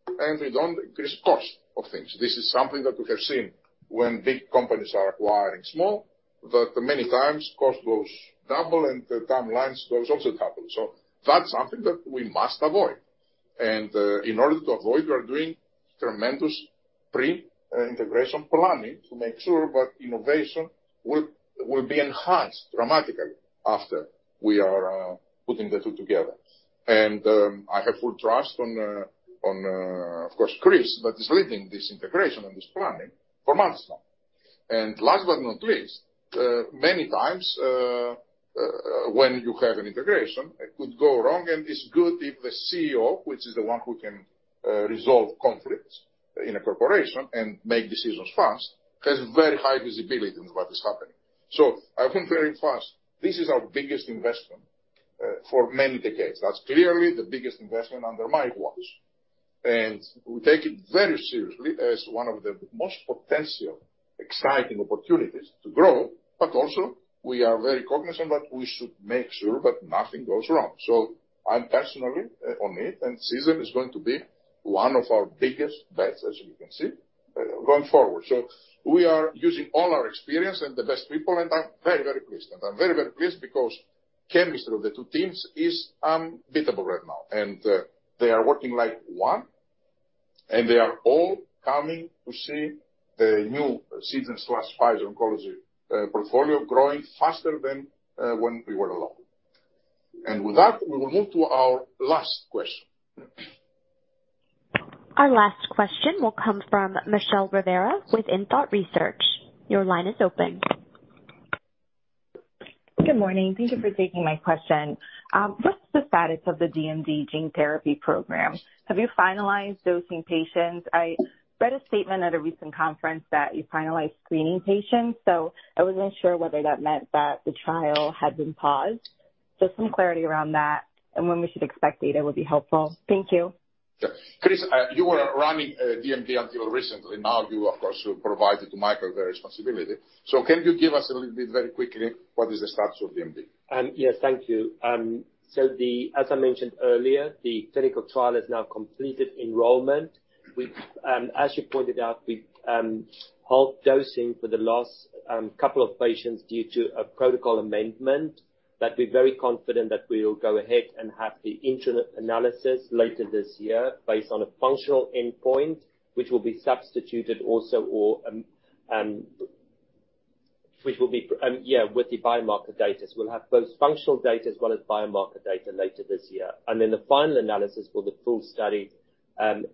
and we don't increase cost of things. This is something that we have seen when big companies are acquiring small, that many times cost goes double and the timelines goes also double. That's something that we must avoid. In order to avoid, we are doing tremendous pre-integration planning to make sure that innovation will be enhanced dramatically after we are putting the two together. I have full trust on, on, of course, Chris, that is leading this integration and this planning for months now. Last but not least, many times, when you have an integration, it could go wrong, and it's good if the CEO, which is the one who can resolve conflicts in a corporation and make decisions fast, has very high visibility into what is happening. I've been very fast. This is our biggest investment for many decades. That's clearly the biggest investment under my watch. We take it very seriously as one of the most potential exciting opportunities to grow, but also we are very cognizant that we should make sure that nothing goes wrong. I'm personally on it, and Seagen is going to be one of our biggest bets, as you can see, going forward. We are using all our experience and the best people, and I'm very, very pleased. I'm very, very pleased because chemistry of the two teams is unbeatable right now, and they are working like one, and they are all coming to see the new Seagen/Pfizer oncology portfolio growing faster than when we were alone. With that, we will move to our last question. Our last question will come from Michelle Rivera with inThought Research. Your line is open. Good morning. Thank you for taking my question. What's the status of the DMD gene therapy program? Have you finalized dosing patients? I read a statement at a recent conference that you finalized screening patients, so I wasn't sure whether that meant that the trial had been paused. Just some clarity around that and when we should expect data would be helpful. Thank you. Chris, you were running DMD until recently. Now you, of course, provided to Mikael the responsibility. Can you give us a little bit, very quickly, what is the status of DMD? Yes, thank you. As I mentioned earlier, the clinical trial has now completed enrollment. As you pointed out, we halt dosing for the last couple of patients due to a protocol amendment, but we're very confident that we will go ahead and have the interim analysis later this year based on a functional endpoint, which will be substituted also or, which will be, with the biomarker data. We'll have both functional data as well as biomarker data later this year. The final analysis for the full study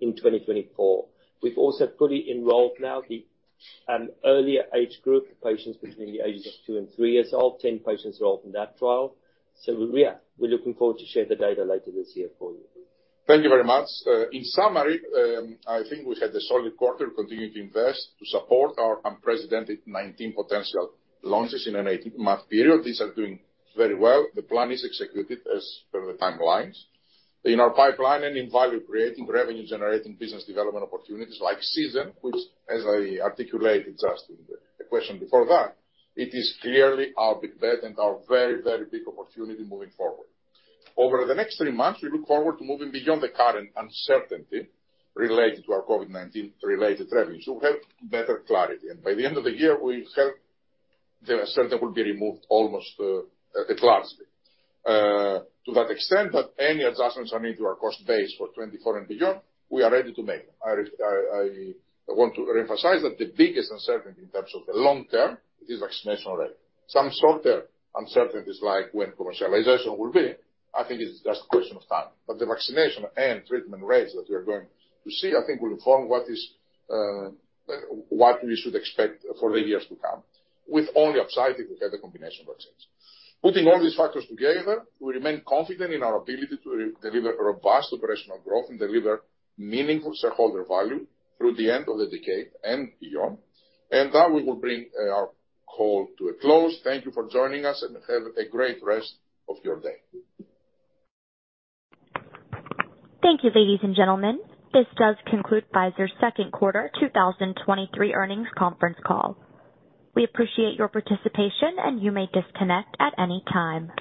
in 2024. We've also fully enrolled now the earlier age group, patients between the ages of two and three years old. 10 patients are enrolled in that trial. We're looking forward to share the data later this year for you. Thank you very much. In summary, I think we had a solid quarter, continuing to invest to support our unprecedented 19 potential launches in an 18-month period. These are doing very well. The plan is executed as per the timelines. In our pipeline and in value-creating, revenue-generating, business development opportunities like Seagen, which as I articulated just in the question before that, it is clearly our big bet and our very, very big opportunity moving forward. Over the next three months, we look forward to moving beyond the current uncertainty related to our COVID-19-related revenues. We'll have better clarity, and by the end of the year, we hope the uncertainty will be removed almost at a glance. To that extent, that any adjustments are made to our cost base for 2024 and beyond, we are ready to make them. I, I want to reemphasize that the biggest uncertainty in terms of the long term is vaccination rate. Some shorter uncertainties, like when commercialization will be, I think is just a question of time. The vaccination and treatment rates that we are going to see, I think will inform what is, what we should expect for the years to come, with only upside if we get a combination of vaccines. Putting all these factors together, we remain confident in our ability to deliver robust operational growth and deliver meaningful shareholder value through the end of the decade and beyond. That we will bring our call to a close. Thank you for joining us, have a great rest of your day. Thank you, ladies and gentlemen. This does conclude Pfizer's second quarter 2023 earnings conference call. We appreciate your participation, and you may disconnect at any time.